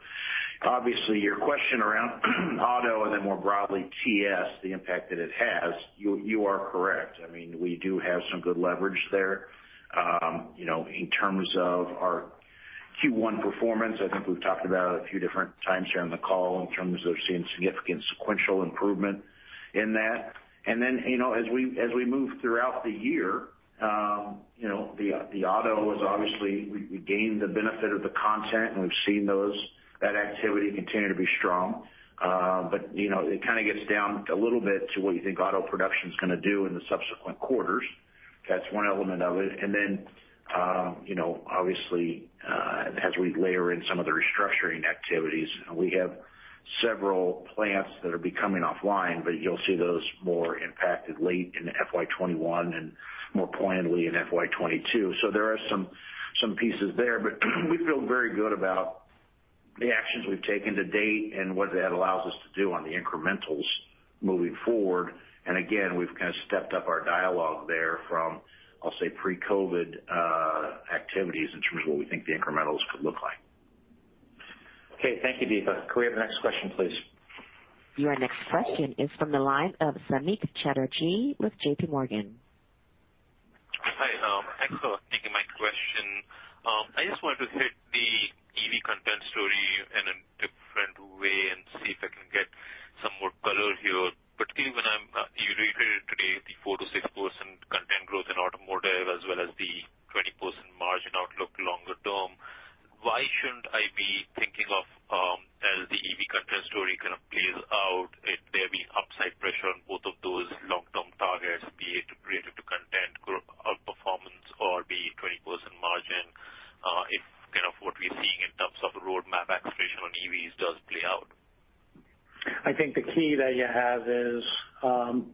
Speaker 4: Obviously, your question around auto and then more broadly TS, the impact that it has, you are correct. I mean, we do have some good leverage there in terms of our Q1 performance. I think we've talked about it a few different times here on the call in terms of seeing significant sequential improvement in that. And then as we move throughout the year, the auto was obviously, we gained the benefit of the content, and we've seen that activity continue to be strong. But it kind of gets down a little bit to what you think auto production is going to do in the subsequent quarters. That's one element of it. And then obviously, as we layer in some of the restructuring activities, we have several plants that are becoming offline, but you'll see those more impacted late in FY 2021 and more poignantly in FY 2022. So there are some pieces there, but we feel very good about the actions we've taken to date and what that allows us to do on the incrementals moving forward. And again, we've kind of stepped up our dialogue there from, I'll say, pre-COVID activities in terms of what we think the incrementals could look like.
Speaker 2: Okay, thank you, Deepa. Can we have the next question, please?
Speaker 1: Your next question is from the line of Samik Chatterjee with J.P. Morgan.
Speaker 11: Hi, thanks for taking my question. I just wanted to hit the EV content story in a different way and see if I can get some more color here. Particularly when you reiterated today the 4%-6% content growth in automotive as well as the 20% margin outlook longer term, why shouldn't I be thinking of as the EV content story kind of plays out, there being upside pressure on both of those long-term targets, be it related to content outperformance or be it 20% margin, if kind of what we're seeing in terms of roadmap acceleration on EVs does play out?
Speaker 3: I think the key that you have is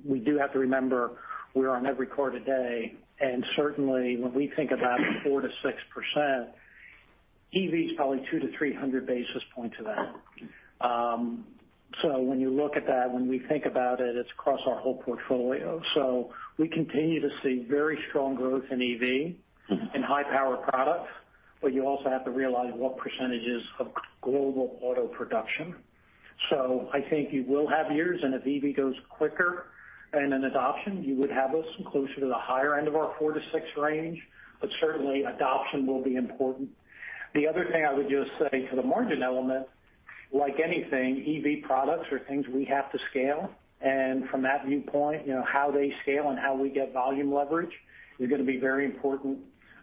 Speaker 3: we do have to remember we're on every quarter day, and certainly, when we think about 4%-6%, EV is probably 2 to 300 basis points of that. So when you look at that, when we think about it, it's across our whole portfolio. So we continue to see very strong growth in EV and high-power products, but you also have to realize what percentage is of global auto production. So I think you will have years, and if EV goes quicker and in adoption, you would have us closer to the higher end of our 4%-6% range. But certainly, adoption will be important. The other thing I would just say to the margin element, like anything, EV products are things we have to scale. From that viewpoint, how they scale and how we get volume leverage is going to be very important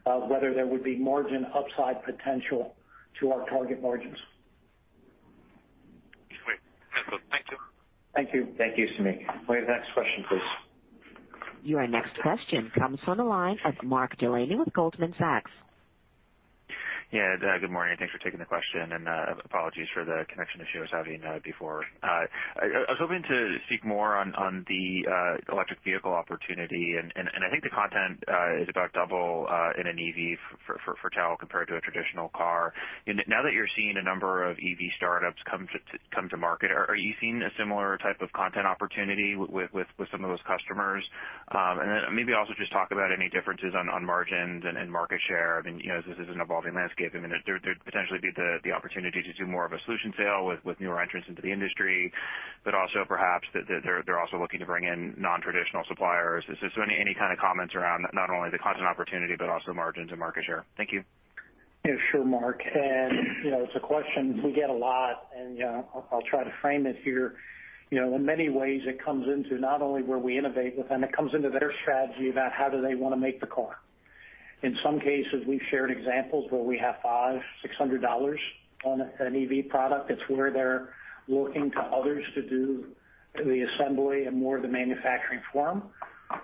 Speaker 3: of whether there would be margin upside potential to our target margins.
Speaker 11: Great. Excellent. Thank you.
Speaker 3: Thank you.
Speaker 2: Thank you, Samik. Can we have the next question, please?
Speaker 1: Your next question comes from the line of Mark Delaney with Goldman Sachs.
Speaker 12: Yeah, good morning. Thanks for taking the question. And apologies for the connection issue I was having before. I was hoping to speak more on the electric vehicle opportunity. And I think the content is about double in an EV for TE compared to a traditional car. Now that you're seeing a number of EV startups come to market, are you seeing a similar type of content opportunity with some of those customers? And then maybe also just talk about any differences on margins and market share. I mean, this is an evolving landscape. I mean, there'd potentially be the opportunity to do more of a solution sale with newer entrants into the industry, but also perhaps they're also looking to bring in non-traditional suppliers. Is there any kind of comments around not only the content opportunity, but also margins and market share? Thank you.
Speaker 3: Yeah, sure, Mark. And it's a question we get a lot, and I'll try to frame it here. In many ways, it comes into not only where we innovate, but then it comes into their strategy about how do they want to make the car. In some cases, we've shared examples where we have $500, $600 on an EV product. It's where they're looking to others to do the assembly and more of the manufacturing for them.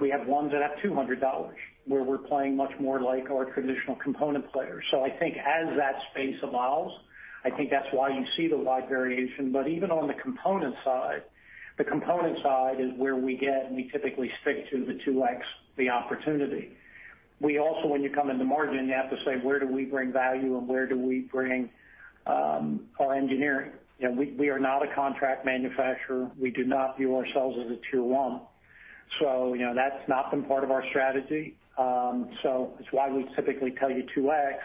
Speaker 3: We have ones that have $200 where we're playing much more like our traditional component players. So I think as that space evolves, I think that's why you see the wide variation. But even on the component side, the component side is where we get, and we typically stick to the 2X, the opportunity. We also, when you come into margin, you have to say, where do we bring value and where do we bring our engineering? We are not a contract manufacturer. We do not view ourselves as a tier one. So that's not been part of our strategy. So it's why we typically tell you 2X.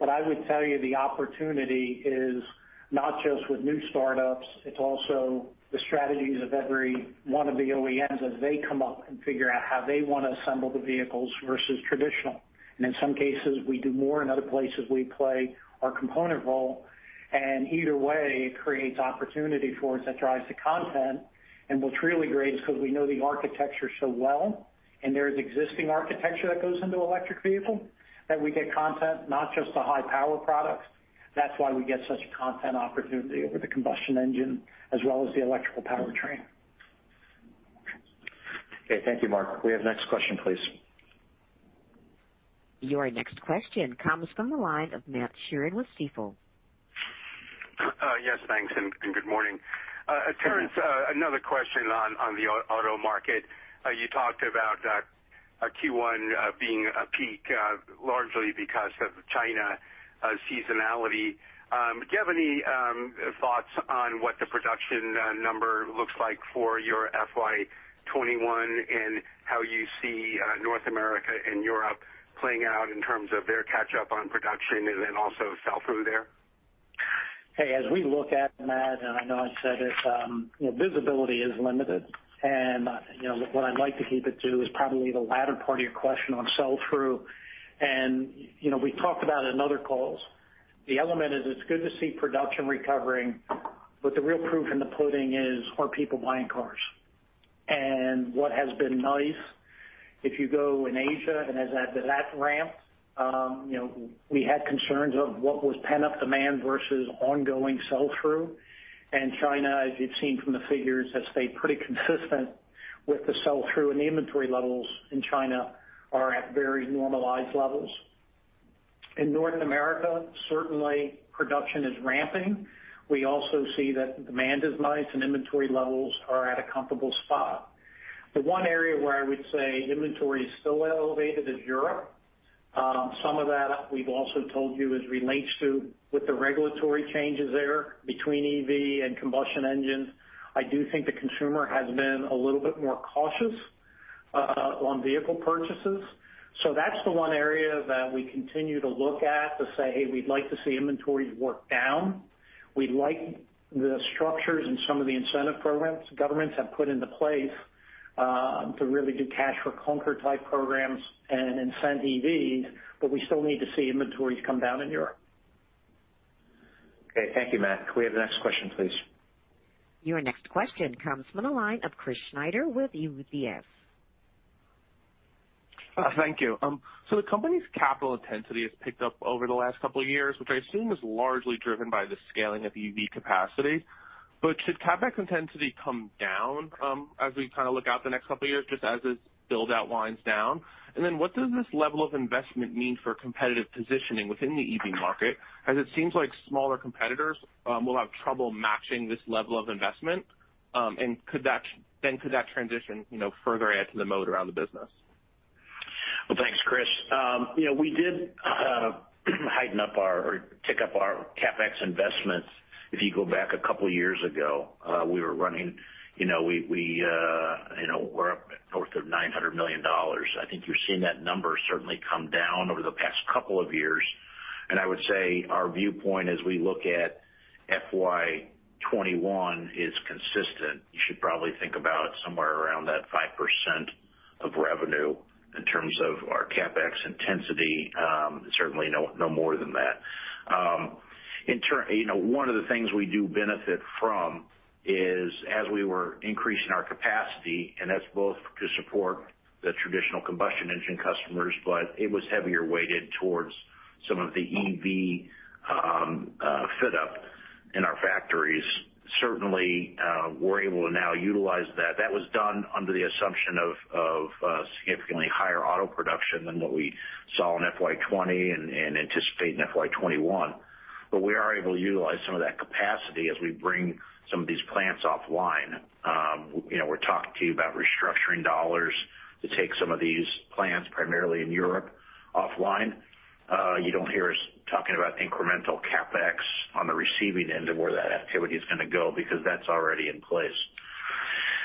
Speaker 3: But I would tell you the opportunity is not just with new startups. It's also the strategies of every one of the OEMs as they come up and figure out how they want to assemble the vehicles versus traditional. And in some cases, we do more. In other places, we play our component role. And either way, it creates opportunity for us that drives the content. And what's really great is because we know the architecture so well, and there's existing architecture that goes into electric vehicles, that we get content, not just the high-power products. That's why we get such a content opportunity over the combustion engine as well as the electrical powertrain.
Speaker 2: Okay. Thank you, Mark. We have the next question, please.
Speaker 1: Your next question comes from the line of Matt Sheerin with Stifel.
Speaker 13: Yes, thanks. And good morning. Terrence, another question on the auto market. You talked about Q1 being a peak largely because of China seasonality. Do you have any thoughts on what the production number looks like for your FY 2021 and how you see North America and Europe playing out in terms of their catch-up on production and then also sell-through there?
Speaker 3: Hey, as we look at Matt, and I know I said it, visibility is limited. What I'd like to keep it to is probably the latter part of your question on sell-through. We've talked about it in other calls. The element is it's good to see production recovering, but the real proof in the pudding is more people buying cars. What has been nice, if you go in Asia and as it has ramped, we had concerns of what was pent-up demand versus ongoing sell-through. China, as you've seen from the figures, has stayed pretty consistent with the sell-through, and the inventory levels in China are at very normalized levels. In North America, certainly, production is ramping. We also see that demand is nice, and inventory levels are at a comfortable spot. The one area where I would say inventory is still elevated is Europe. Some of that, we've also told you, is related to the regulatory changes there between EV and combustion engines. I do think the consumer has been a little bit more cautious on vehicle purchases. So that's the one area that we continue to look at to say, "Hey, we'd like to see inventories work down." We like the structures and some of the incentive programs governments have put into place to really do Cash for Clunkers type programs and incent EVs, but we still need to see inventories come down in Europe.
Speaker 2: Okay. Thank you, Matt. Can we have the next question, please?
Speaker 1: Your next question comes from the line of Chris Snyder with UBS.
Speaker 14: Thank you. So the company's capital intensity has picked up over the last couple of years, which I assume is largely driven by the scaling of EV capacity. But should CapEx intensity come down as we kind of look out the next couple of years, just as this build-out winds down? And then what does this level of investment mean for competitive positioning within the EV market? Because it seems like smaller competitors will have trouble matching this level of investment. And then could that transition further add to the moat around the business?
Speaker 4: Well, thanks, Chris. We did heighten up or tick up our CapEx investments. If you go back a couple of years ago, we were up north of $900 million. I think you've seen that number certainly come down over the past couple of years, and I would say our viewpoint as we look at FY21 is consistent. You should probably think about somewhere around that 5% of revenue in terms of our CapEx intensity, certainly no more than that. One of the things we do benefit from is, as we were increasing our capacity, and that's both to support the traditional combustion engine customers, but it was heavier weighted towards some of the EV fit-up in our factories. Certainly, we're able to now utilize that. That was done under the assumption of significantly higher auto production than what we saw in FY20 and anticipate in FY21. We are able to utilize some of that capacity as we bring some of these plants offline. We're talking to you about restructuring dollars to take some of these plants, primarily in Europe, offline. You don't hear us talking about incremental CapEx on the receiving end of where that activity is going to go because that's already in place.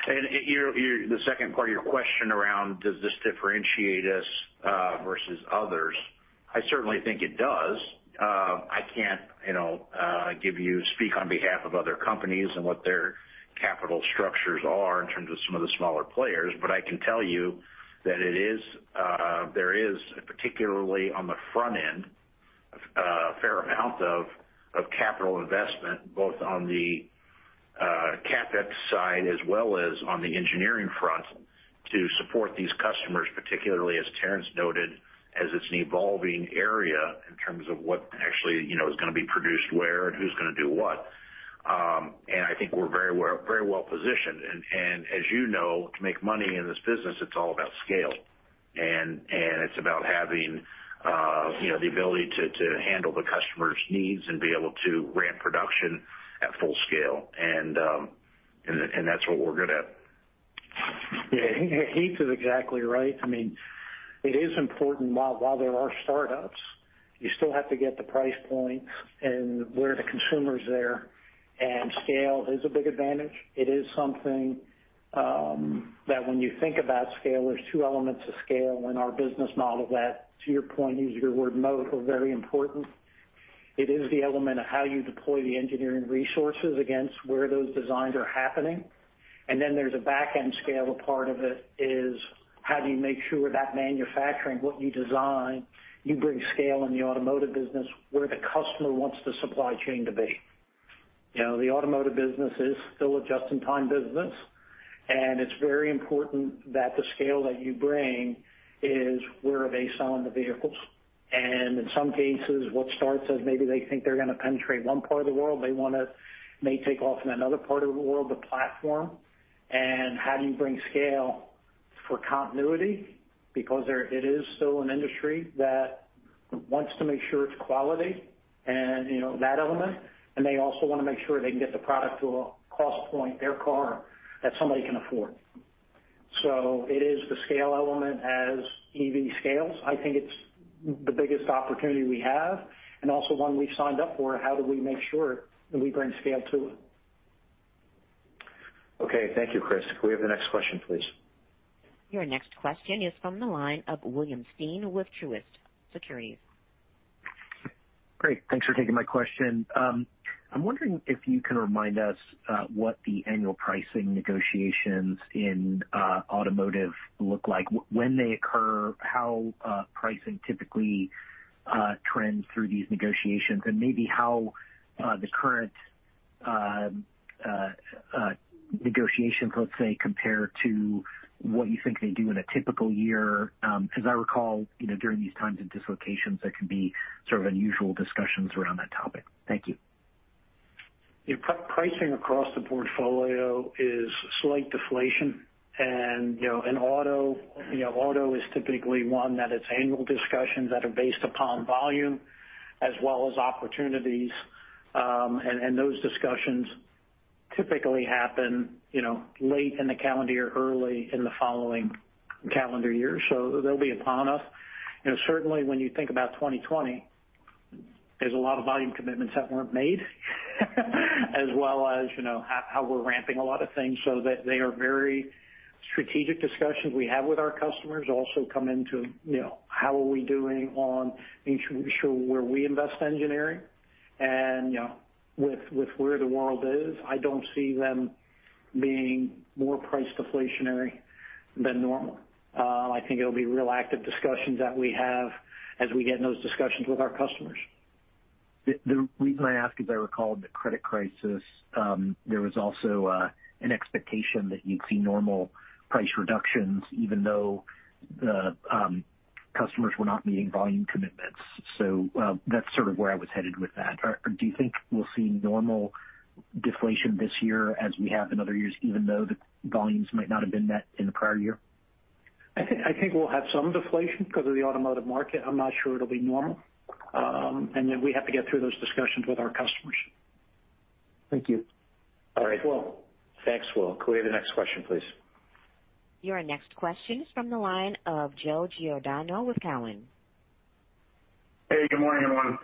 Speaker 4: The second part of your question around does this differentiate us versus others? I certainly think it does. I can't give you. Speak on behalf of other companies and what their capital structures are in terms of some of the smaller players. But I can tell you that there is, particularly on the front end, a fair amount of capital investment, both on the CapEx side as well as on the engineering front, to support these customers, particularly, as Terrence noted, as it's an evolving area in terms of what actually is going to be produced where and who's going to do what. And I think we're very well positioned. And as you know, to make money in this business, it's all about scale. And it's about having the ability to handle the customer's needs and be able to ramp production at full scale. And that's what we're good at.
Speaker 3: Yeah. Heath is exactly right. I mean, it is important. While there are startups, you still have to get the price points and where the consumer is there. And scale is a big advantage. It is something that when you think about scale, there's two elements of scale in our business model that, to your point, use your word moat, are very important. It is the element of how you deploy the engineering resources against where those designs are happening. And then there's a back-end scale. A part of it is how do you make sure that manufacturing, what you design, you bring scale in the automotive business where the customer wants the supply chain to be. The automotive business is still a just-in-time business, and it's very important that the scale that you bring is where they sell on the vehicles. In some cases, what starts as maybe they think they're going to penetrate one part of the world, they want to may take off in another part of the world, the platform. How do you bring scale for continuity? Because it is still an industry that wants to make sure it's quality and that element. They also want to make sure they can get the product to a cost point, their car, that somebody can afford. So it is the scale element as EV scales. I think it's the biggest opportunity we have. Also one we signed up for, how do we make sure that we bring scale to it?
Speaker 2: Okay. Thank you, Chris. Can we have the next question, please?
Speaker 1: Your next question is from the line of William Stein with Truist Securities.
Speaker 15: Great. Thanks for taking my question. I'm wondering if you can remind us what the annual pricing negotiations in automotive look like, when they occur, how pricing typically trends through these negotiations, and maybe how the current negotiations, let's say, compare to what you think they do in a typical year. As I recall, during these times of dislocations, there can be sort of unusual discussions around that topic. Thank you.
Speaker 3: Pricing across the portfolio is slight deflation. Auto is typically one that it's annual discussions that are based upon volume as well as opportunities. Those discussions typically happen late in the calendar year or early in the following calendar year. They'll be upon us. Certainly, when you think about 2020, there's a lot of volume commitments that weren't made as well as how we're ramping a lot of things. They are very strategic discussions we have with our customers. Also come into how are we doing on making sure where we invest engineering and with where the world is. I don't see them being more price deflationary than normal. It'll be real active discussions that we have as we get in those discussions with our customers.
Speaker 15: The reason I ask is I recall the credit crisis. There was also an expectation that you'd see normal price reductions even though customers were not meeting volume commitments. So that's sort of where I was headed with that. Do you think we'll see normal deflation this year as we have in other years, even though the volumes might not have been met in the prior year?
Speaker 3: I think we'll have some deflation because of the automotive market. I'm not sure it'll be normal, and then we have to get through those discussions with our customers.
Speaker 2: Thank you. All right. Thanks, Will. Can we have the next question, please?
Speaker 1: Your next question is from the line of Joe Giordano with Cowen.
Speaker 16: Hey, good morning, everyone.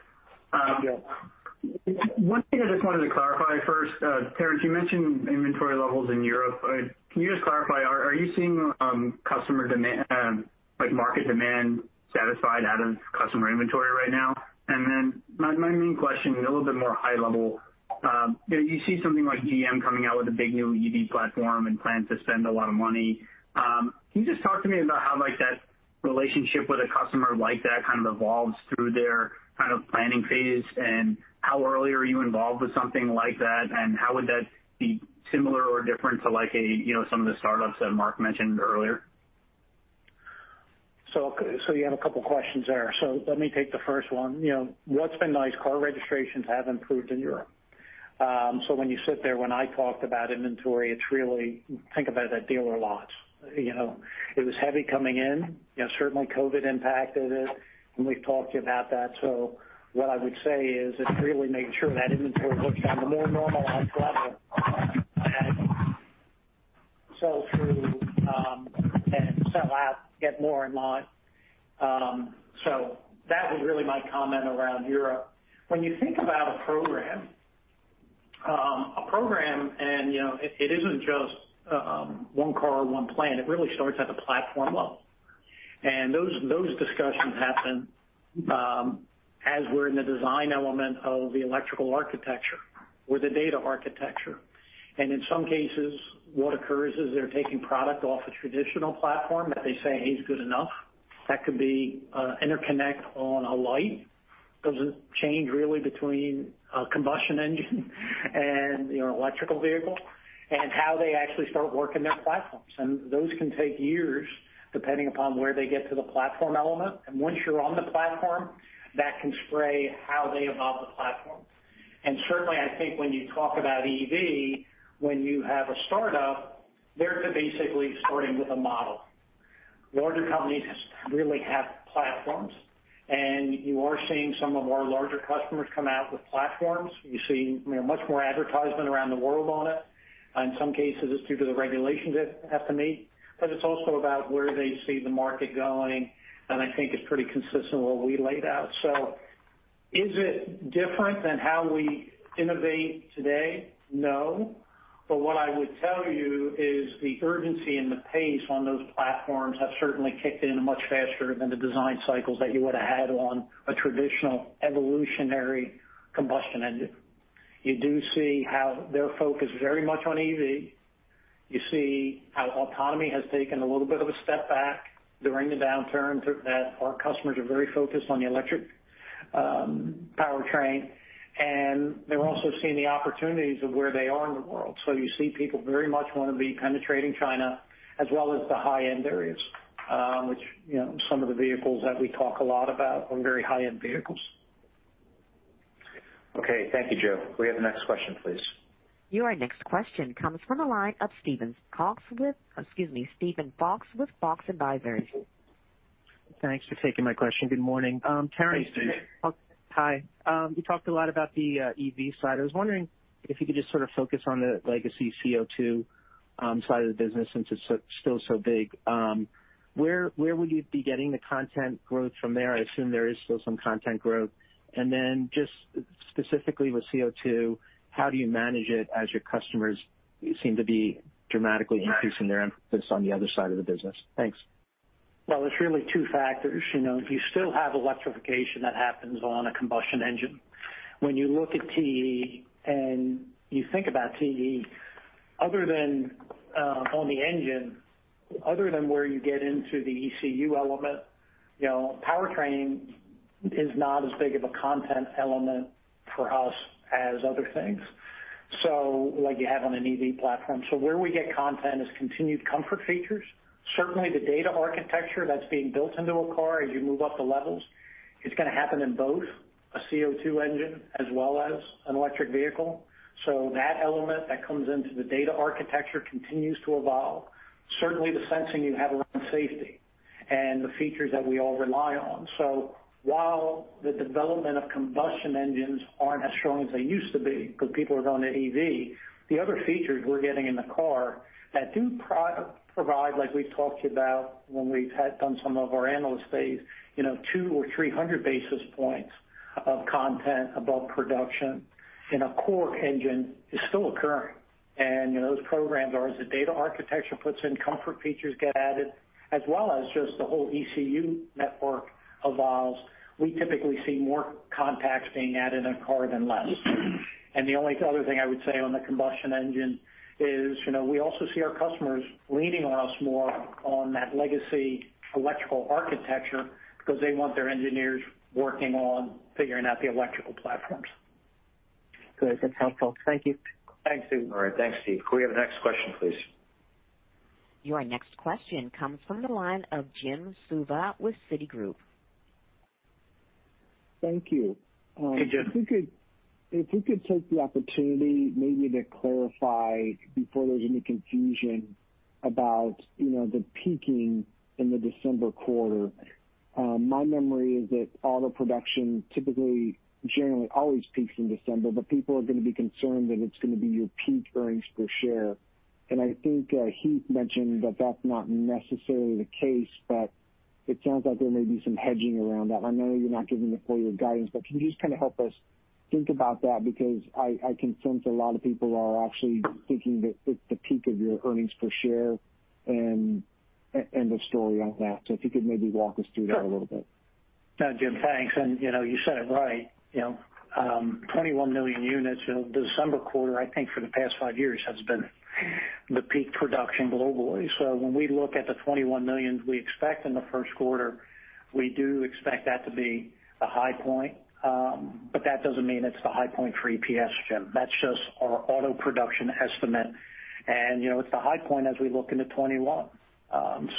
Speaker 16: One thing I just wanted to clarify first, Terrence, you mentioned inventory levels in Europe. Can you just clarify, are you seeing market demand satisfied out of customer inventory right now? And then my main question, a little bit more high level, you see something like GM coming out with a big new EV platform and plans to spend a lot of money. Can you just talk to me about how that relationship with a customer like that kind of evolves through their kind of planning phase? And how early are you involved with something like that? And how would that be similar or different to some of the startups that Mark mentioned earlier?
Speaker 3: So you have a couple of questions there. So let me take the first one. What's been nice? Car registrations have improved in Europe. So when you sit there, when I talked about inventory, it's really, think about it, at dealer lots. It was heavy coming in. Certainly, COVID impacted it. And we've talked to you about that. So what I would say is it's really making sure that inventory works on the more normalized level and sell-through and sell-out get more in line. So that was really my comment around Europe. When you think about a program, a program, and it isn't just one car, one plan, it really starts at the platform level. And those discussions happen as we're in the design element of the electrical architecture or the data architecture. In some cases, what occurs is they're taking product off a traditional platform that they say, "Hey, it's good enough." That could be interconnect on a light. It doesn't change really between a combustion engine and an electric vehicle and how they actually start working their platforms. Those can take years depending upon where they get to the platform element. Once you're on the platform, that can shape how they evolve the platform. Certainly, I think when you talk about EV, when you have a startup, they're basically starting with a model. Larger companies really have platforms. You are seeing some of our larger customers come out with platforms. You see much more advertisement around the world on it. In some cases, it's due to the regulations they have to meet. It's also about where they see the market going. I think it's pretty consistent with what we laid out. So is it different than how we innovate today? No. But what I would tell you is the urgency and the pace on those platforms have certainly kicked in much faster than the design cycles that you would have had on a traditional evolutionary combustion engine. You do see how they're focused very much on EV. You see how autonomy has taken a little bit of a step back during the downturn that our customers are very focused on the electric powertrain. And they're also seeing the opportunities of where they are in the world. So you see people very much want to be penetrating China as well as the high-end areas, which some of the vehicles that we talk a lot about are very high-end vehicles.
Speaker 2: Okay. Thank you, Joe. Can we have the next question, please?
Speaker 1: Your next question comes from the line of Steven Fox with Fox Advisors.
Speaker 17: Thanks for taking my question. Good morning, Terrence.
Speaker 3: Hey, Steve. Hi. You talked a lot about the EV side. I was wondering if you could just sort of focus on the legacy ICE side of the business since it's still so big. Where would you be getting the content growth from there? I assume there is still some content growth. And then just specifically with ICE, how do you manage it as your customers seem to be dramatically increasing their emphasis on the other side of the business? Thanks.
Speaker 17: It's really two factors. You still have electrification that happens on a combustion engine. When you look at TE and you think about TE, other than on the engine, other than where you get into the ECU element, powertrain is not as big of a content element for us as other things like you have on an EV platform. So where we get content is continued comfort features. Certainly, the data architecture that's being built into a car as you move up the levels, it's going to happen in both a combustion engine as well as an electric vehicle. So that element that comes into the data architecture continues to evolve. Certainly, the sensing you have around safety and the features that we all rely on. So while the development of combustion engines aren't as strong as they used to be because people are going to EV, the other features we're getting in the car that do provide, like we've talked to you about when we've done some of our analyst days, two or three hundred basis points of content above production in a core engine is still occurring. And those programs are as the data architecture puts in. Comfort features get added, as well as just the whole ECU network evolves. We typically see more contacts being added in a car than less. And the only other thing I would say on the combustion engine is we also see our customers leaning on us more on that legacy electrical architecture because they want their engineers working on figuring out the electrical platforms. Good. That's helpful. Thank you.
Speaker 3: Thanks, Steven.
Speaker 2: All right. Thanks, Steve. Can we have the next question, please?
Speaker 1: Your next question comes from the line of Jim Suva with Citigroup.
Speaker 18: Thank you.
Speaker 4: Hey, Jim.
Speaker 18: If we could take the opportunity maybe to clarify before there's any confusion about the peaking in the December quarter, my memory is that auto production typically generally always peaks in December, but people are going to be concerned that it's going to be your peak earnings per share, and I think Heath mentioned that that's not necessarily the case, but it sounds like there may be some hedging around that. I know you're not giving the full year guidance, but can you just kind of help us think about that? Because I can sense a lot of people are actually thinking that it's the peak of your earnings per share and the story on that, so if you could maybe walk us through that a little bit.
Speaker 3: Thank you, Jim. Thanks, and you said it right. 21 million units in the December quarter, I think for the past five years, has been the peak production globally, so when we look at the 21 millions we expect in the first quarter, we do expect that to be a high point. But that doesn't mean it's the high point for EPS, Jim. That's just our auto production estimate. And it's the high point as we look into 2021,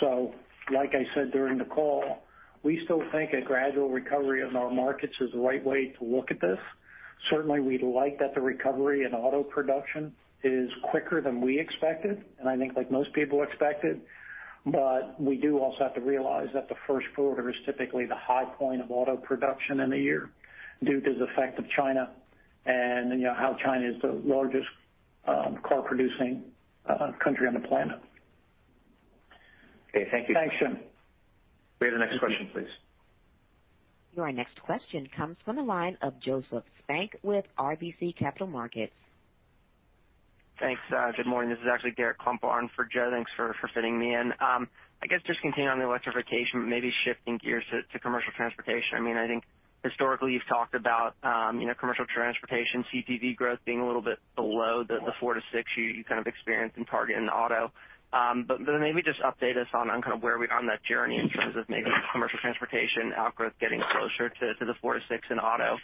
Speaker 3: so like I said during the call, we still think a gradual recovery in our markets is the right way to look at this. Certainly, we'd like that the recovery in auto production is quicker than we expected, and I think like most people expected. We do also have to realize that the first quarter is typically the high point of auto production in the year due to the effect of China and how China is the largest car-producing country on the planet.
Speaker 18: Okay. Thank you.
Speaker 3: Thanks, Jim.
Speaker 2: We have the next question, please.
Speaker 1: Your next question comes from the line of Joseph Spak with RBC Capital Markets.
Speaker 19: Thanks. Good morning. This is actually Garrett Klumpar for Joe. Thanks for fitting me in. I guess just continuing on the electrification, maybe shifting gears to commercial Transportation. I mean, I think historically you've talked about commercial Transportation, CPV growth being a little bit below the 4%-6% you kind of experience in target and auto. But maybe just update us on kind of where we are on that journey in terms of maybe commercial Transportation outgrowth getting closer to the 4%-6% in auto,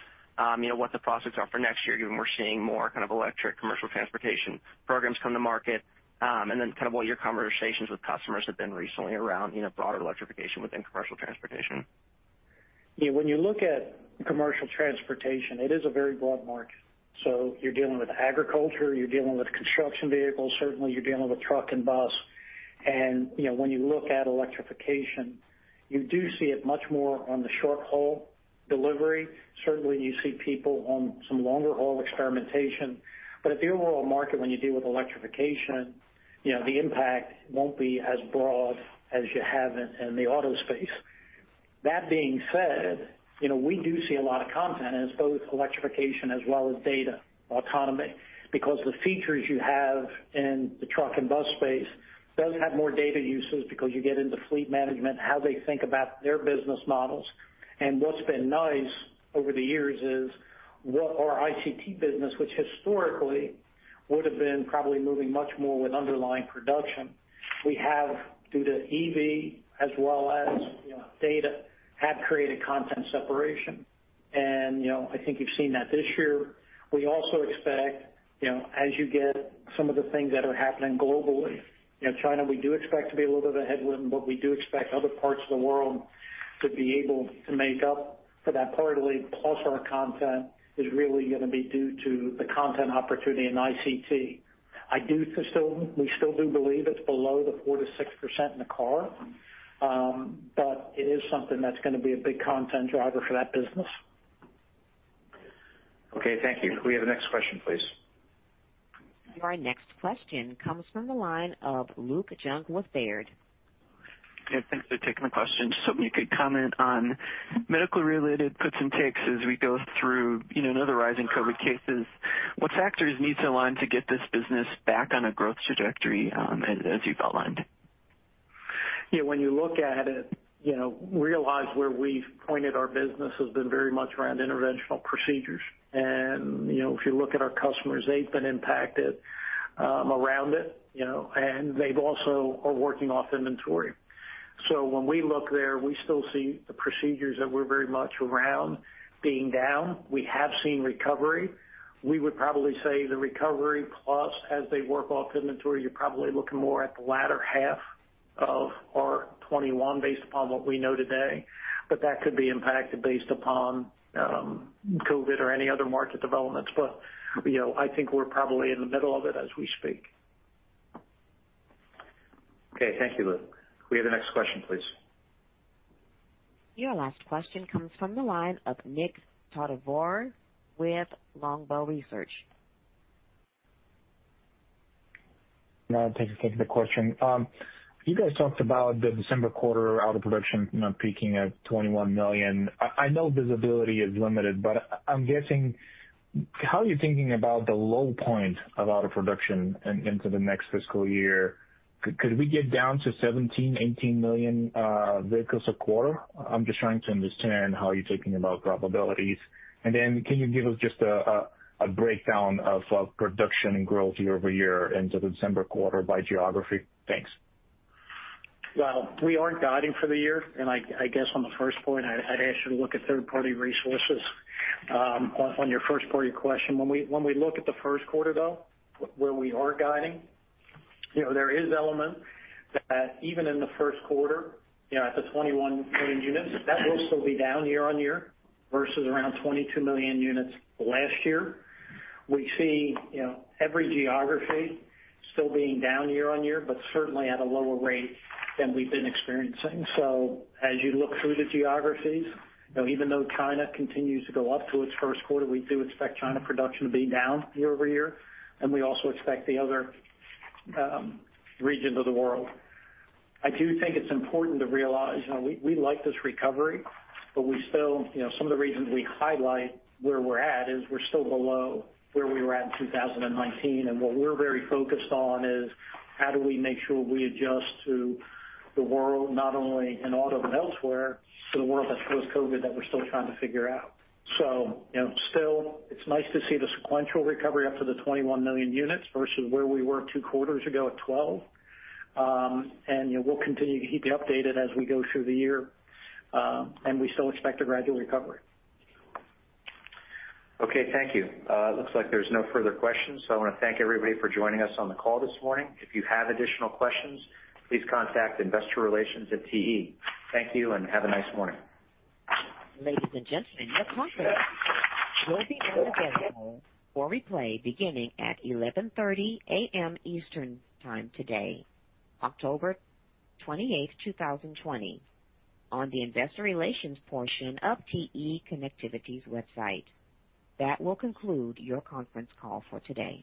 Speaker 19: what the prospects are for next year, given we're seeing more kind of electric commercial Transportation programs come to market, and then kind of what your conversations with customers have been recently around broader electrification within commercial Transportation.
Speaker 3: When you look at commercial Transportation, it is a very broad market. So you're dealing with agriculture. You're dealing with construction vehicles. Certainly, you're dealing with truck and bus. And when you look at electrification, you do see it much more on the short-haul delivery. Certainly, you see people on some longer-haul experimentation. But at the overall market, when you deal with electrification, the impact won't be as broad as you have in the auto space. That being said, we do see a lot of content, and it's both electrification as well as data and autonomy because the features you have in the truck and bus space does have more data uses because you get into fleet management, how they think about their business models. What's been nice over the years is what our ICT business, which historically would have been probably moving much more with underlying production, we have, due to EV as well as data, created content separation. I think you've seen that this year. We also expect, as you get some of the things that are happening globally, China, we do expect to be a little bit of a headwind, but we do expect other parts of the world to be able to make up for that partly. Plus, our content is really going to be due to the content opportunity in ICT. We still do believe it's below the 4%-6% in the car, but it is something that's going to be a big content driver for that business.
Speaker 2: Okay. Thank you. Can we have the next question, please?
Speaker 1: Your next question comes from the line of Luke Junk with Baird.
Speaker 20: Yeah. Thanks for taking the question. Just hoping you could comment on medically related fits and starts as we go through another rising COVID cases. What factors need to align to get this business back on a growth trajectory as you've outlined?
Speaker 3: Yeah. When you look at it, realize where we've pointed our business has been very much around interventional procedures. And if you look at our customers, they've been impacted around it. And they also are working off inventory. So when we look there, we still see the procedures that we're very much around being down. We have seen recovery. We would probably say the recovery plus, as they work off inventory, you're probably looking more at the latter half of our 2021 based upon what we know today. But that could be impacted based upon COVID or any other market developments. But I think we're probably in the middle of it as we speak.
Speaker 2: Okay. Thank you, Luke. Can we have the next question, please?
Speaker 1: Your last question comes from the line of Nik Todorov with Longbow Research.
Speaker 19: I'll take the question. You guys talked about the December quarter auto production peaking at 21 million. I know visibility is limited, but I'm guessing, how are you thinking about the low point of auto production into the next fiscal year? Could we get down to 17-18 million vehicles a quarter? I'm just trying to understand how you're thinking about probabilities. And then can you give us just a breakdown of production and growth year over year into the December quarter by geography? Thanks.
Speaker 3: We aren't guiding for the year. I guess on the first point, I'd ask you to look at third-party resources on your first-party question. When we look at the first quarter, though, where we are guiding, there is an element that even in the first quarter, at the 21 million units, that will still be down year on year versus around 22 million units last year. We see every geography still being down year on year, but certainly at a lower rate than we've been experiencing. As you look through the geographies, even though China continues to go up through its first quarter, we do expect China production to be down year over year. We also expect the other regions of the world. I do think it's important to realize we like this recovery, but we still see some of the reasons we highlight where we're at is we're still below where we were at in 2019, and what we're very focused on is how do we make sure we adjust to the world, not only in auto but elsewhere, to the world that's post-COVID that we're still trying to figure out, so still, it's nice to see the sequential recovery up to the 21 million units versus where we were two quarters ago at 12. And we'll continue to keep you updated as we go through the year, and we still expect a gradual recovery.
Speaker 2: Okay. Thank you. It looks like there's no further questions. So I want to thank everybody for joining us on the call this morning. If you have additional questions, please contact investorrelations@te.com. Thank you and have a nice morning.
Speaker 1: Ladies and gentlemen, your conference will be aired again tomorrow for replay beginning at 11:30 A.M. Eastern Time today, October 28th, 2020, on the investor relations portion of TE Connectivity's website. That will conclude your conference call for today.